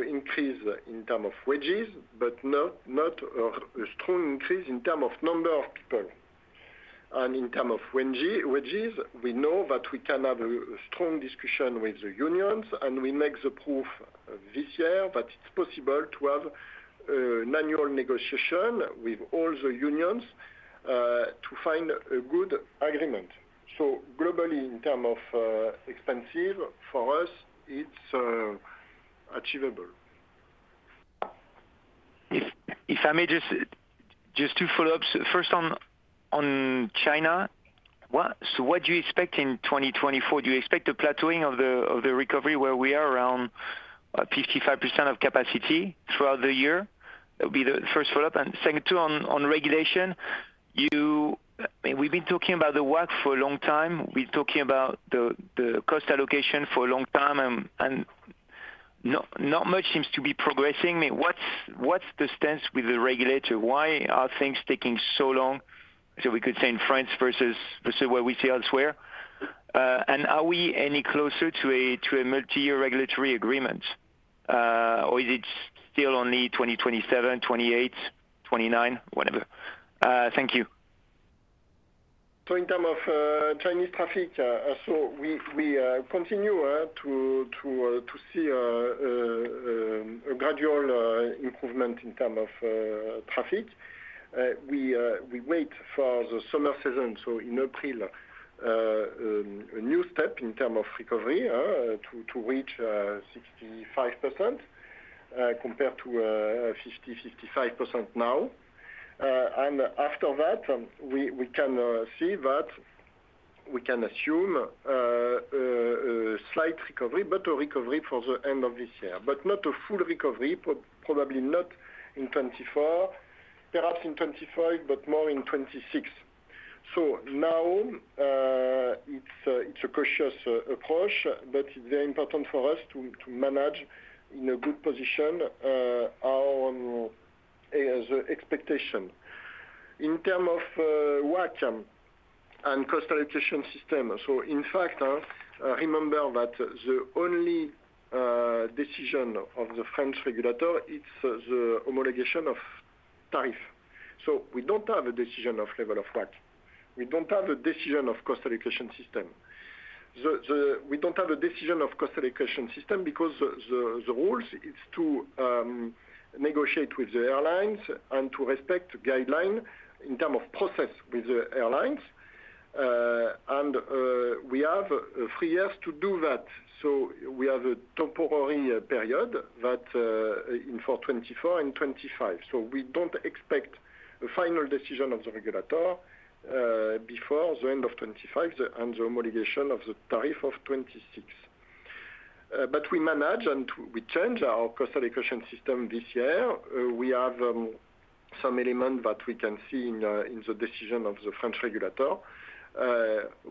Speaker 4: increase in term of wages, but not a strong increase in term of number of people. In term of wage, wages, we know that we can have a strong discussion with the unions, and we make the proof this year that it's possible to have manual negotiation with all the unions to find a good agreement. So globally, in term of expenses, for us, it's achievable.
Speaker 11: If I may just two follow-ups. First, on China, so what do you expect in 2024? Do you expect a plateauing of the recovery, where we are around 55% of capacity throughout the year? That would be the first follow-up. And second, too, on regulation, you've been talking about the WACC for a long time. We're talking about the cost allocation for a long time, and not much seems to be progressing. I mean, what's the stance with the regulator? Why are things taking so long, so we could say in France versus what we see elsewhere? And are we any closer to a multi-year regulatory agreement? Or is it still only 2027, 2028, 2029, whatever? Thank you.
Speaker 4: So in term of Chinese traffic, so we continue to see a gradual improvement in term of traffic. We wait for the summer season, so in April, a new step in term of recovery, to reach 65%, compared to 55% now. And after that, we can see that we can assume a slight recovery, but a recovery for the end of this year, but not a full recovery, probably not in 2024, perhaps in 2025, but more in 2026. So now, it's a cautious approach, but it's very important for us to manage in a good position our expectation. In term of WACC and cost allocation system. So in fact, remember that the only decision of the French regulator, it's the homologation of tariff. So we don't have a decision of level of WACC. We don't have a decision of cost allocation system. We don't have a decision of cost allocation system because the rules is to negotiate with the airlines and to respect guideline in term of process with the airlines. And we have three years to do that. So we have a temporary period that in for 2024 and 2025. So we don't expect a final decision of the regulator before the end of 2025, and the homologation of the tariff of 2026. But we manage and we change our cost allocation system this year. We have some element that we can see in the decision of the French regulator.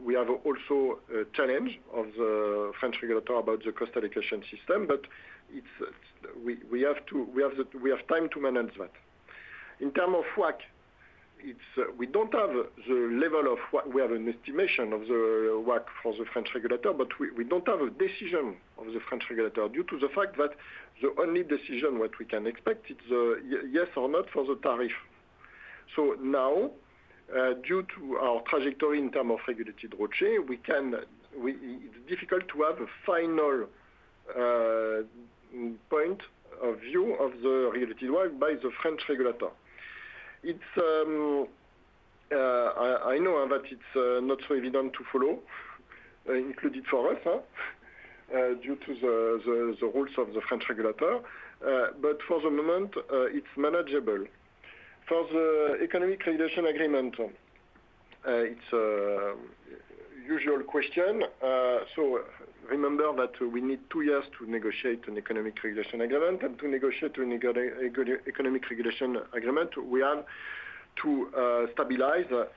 Speaker 4: We have also a challenge of the French regulator about the cost allocation system, but we have time to manage that. In term of WACC, it's we don't have the level of WACC. We have an estimation of the WACC for the French regulator, but we don't have a decision of the French regulator, due to the fact that the only decision what we can expect, it's a yes or not for the tariff. So now, due to our trajectory in term of regulated ROCE, it's difficult to have a final point of view of the regulated WACC by the French regulator. It's not so evident to follow, including for us, due to the rules of the French regulator. But for the moment, it's manageable. For the economic regulation agreement, it's a usual question. So remember that we need two years to negotiate an economic regulation agreement. And to negotiate an economic regulation agreement, we have to stabilize the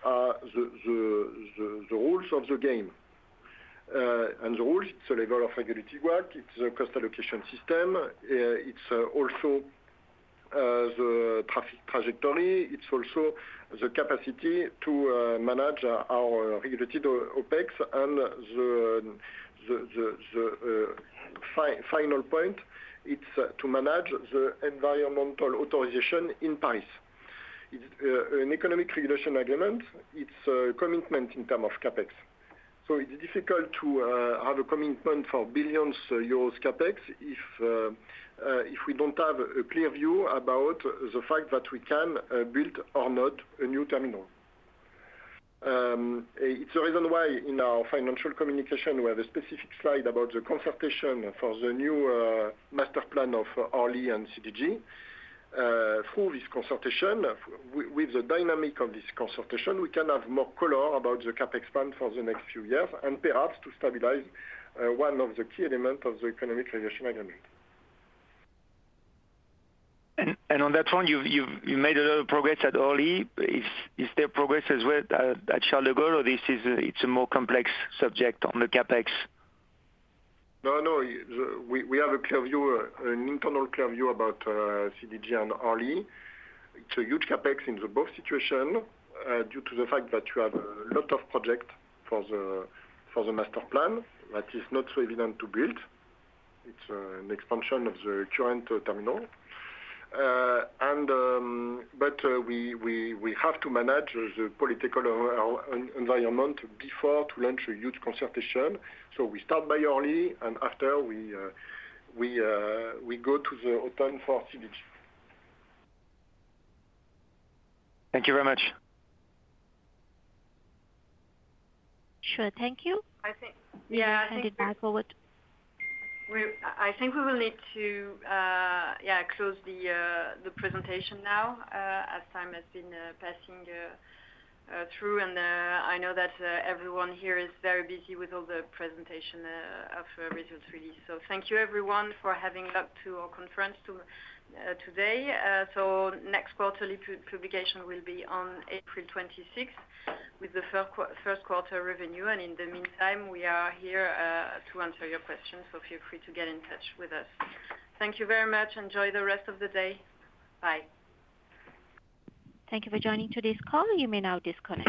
Speaker 4: rules of the game. And the rules, it's the level of regulated WACC, it's the cost allocation system, it's also the traffic trajectory, it's also the capacity to manage our regulated OpEx. And the final point, it's to manage the environmental authorization in Paris. It's an economic regulation agreement, it's a commitment in term of CapEx. So it's difficult to have a commitment for billions euros CapEx, if we don't have a clear view about the fact that we can build or not a new terminal. It's the reason why in our financial communication, we have a specific slide about the consultation for the new master plan of Orly and CDG. Through this consultation, with the dynamic of this consultation, we can have more color about the CapEx plan for the next few years, and perhaps to stabilize one of the key elements of the economic regulation agreement.
Speaker 11: And on that one, you've made a lot of progress at Orly. Is there progress as well at Charles de Gaulle, or is this a more complex subject on the CapEx?
Speaker 4: No, no, the... We have a clear view, an internal clear view about CDG and Orly. It's a huge CapEx in the both situation due to the fact that you have a lot of project for the master plan that is not so evident to build. It's an expansion of the current terminal. And but we have to manage the political environment before to launch a huge consultation. So we start by Orly, and after we go to the autumn for CDG.
Speaker 11: Thank you very much.
Speaker 1: Sure. Thank you.
Speaker 2: I think, yeah-
Speaker 1: I'll hand it back over.
Speaker 2: I think we will need to yeah close the presentation now as time has been passing through. I know that everyone here is very busy with all the presentation of results release. So thank you everyone for having come to our conference today. So next quarterly publication will be on April 26th, with the first quarter revenue. And in the meantime, we are here to answer your questions, so feel free to get in touch with us. Thank you very much. Enjoy the rest of the day. Bye.
Speaker 1: Thank you for joining today's call. You may now disconnect.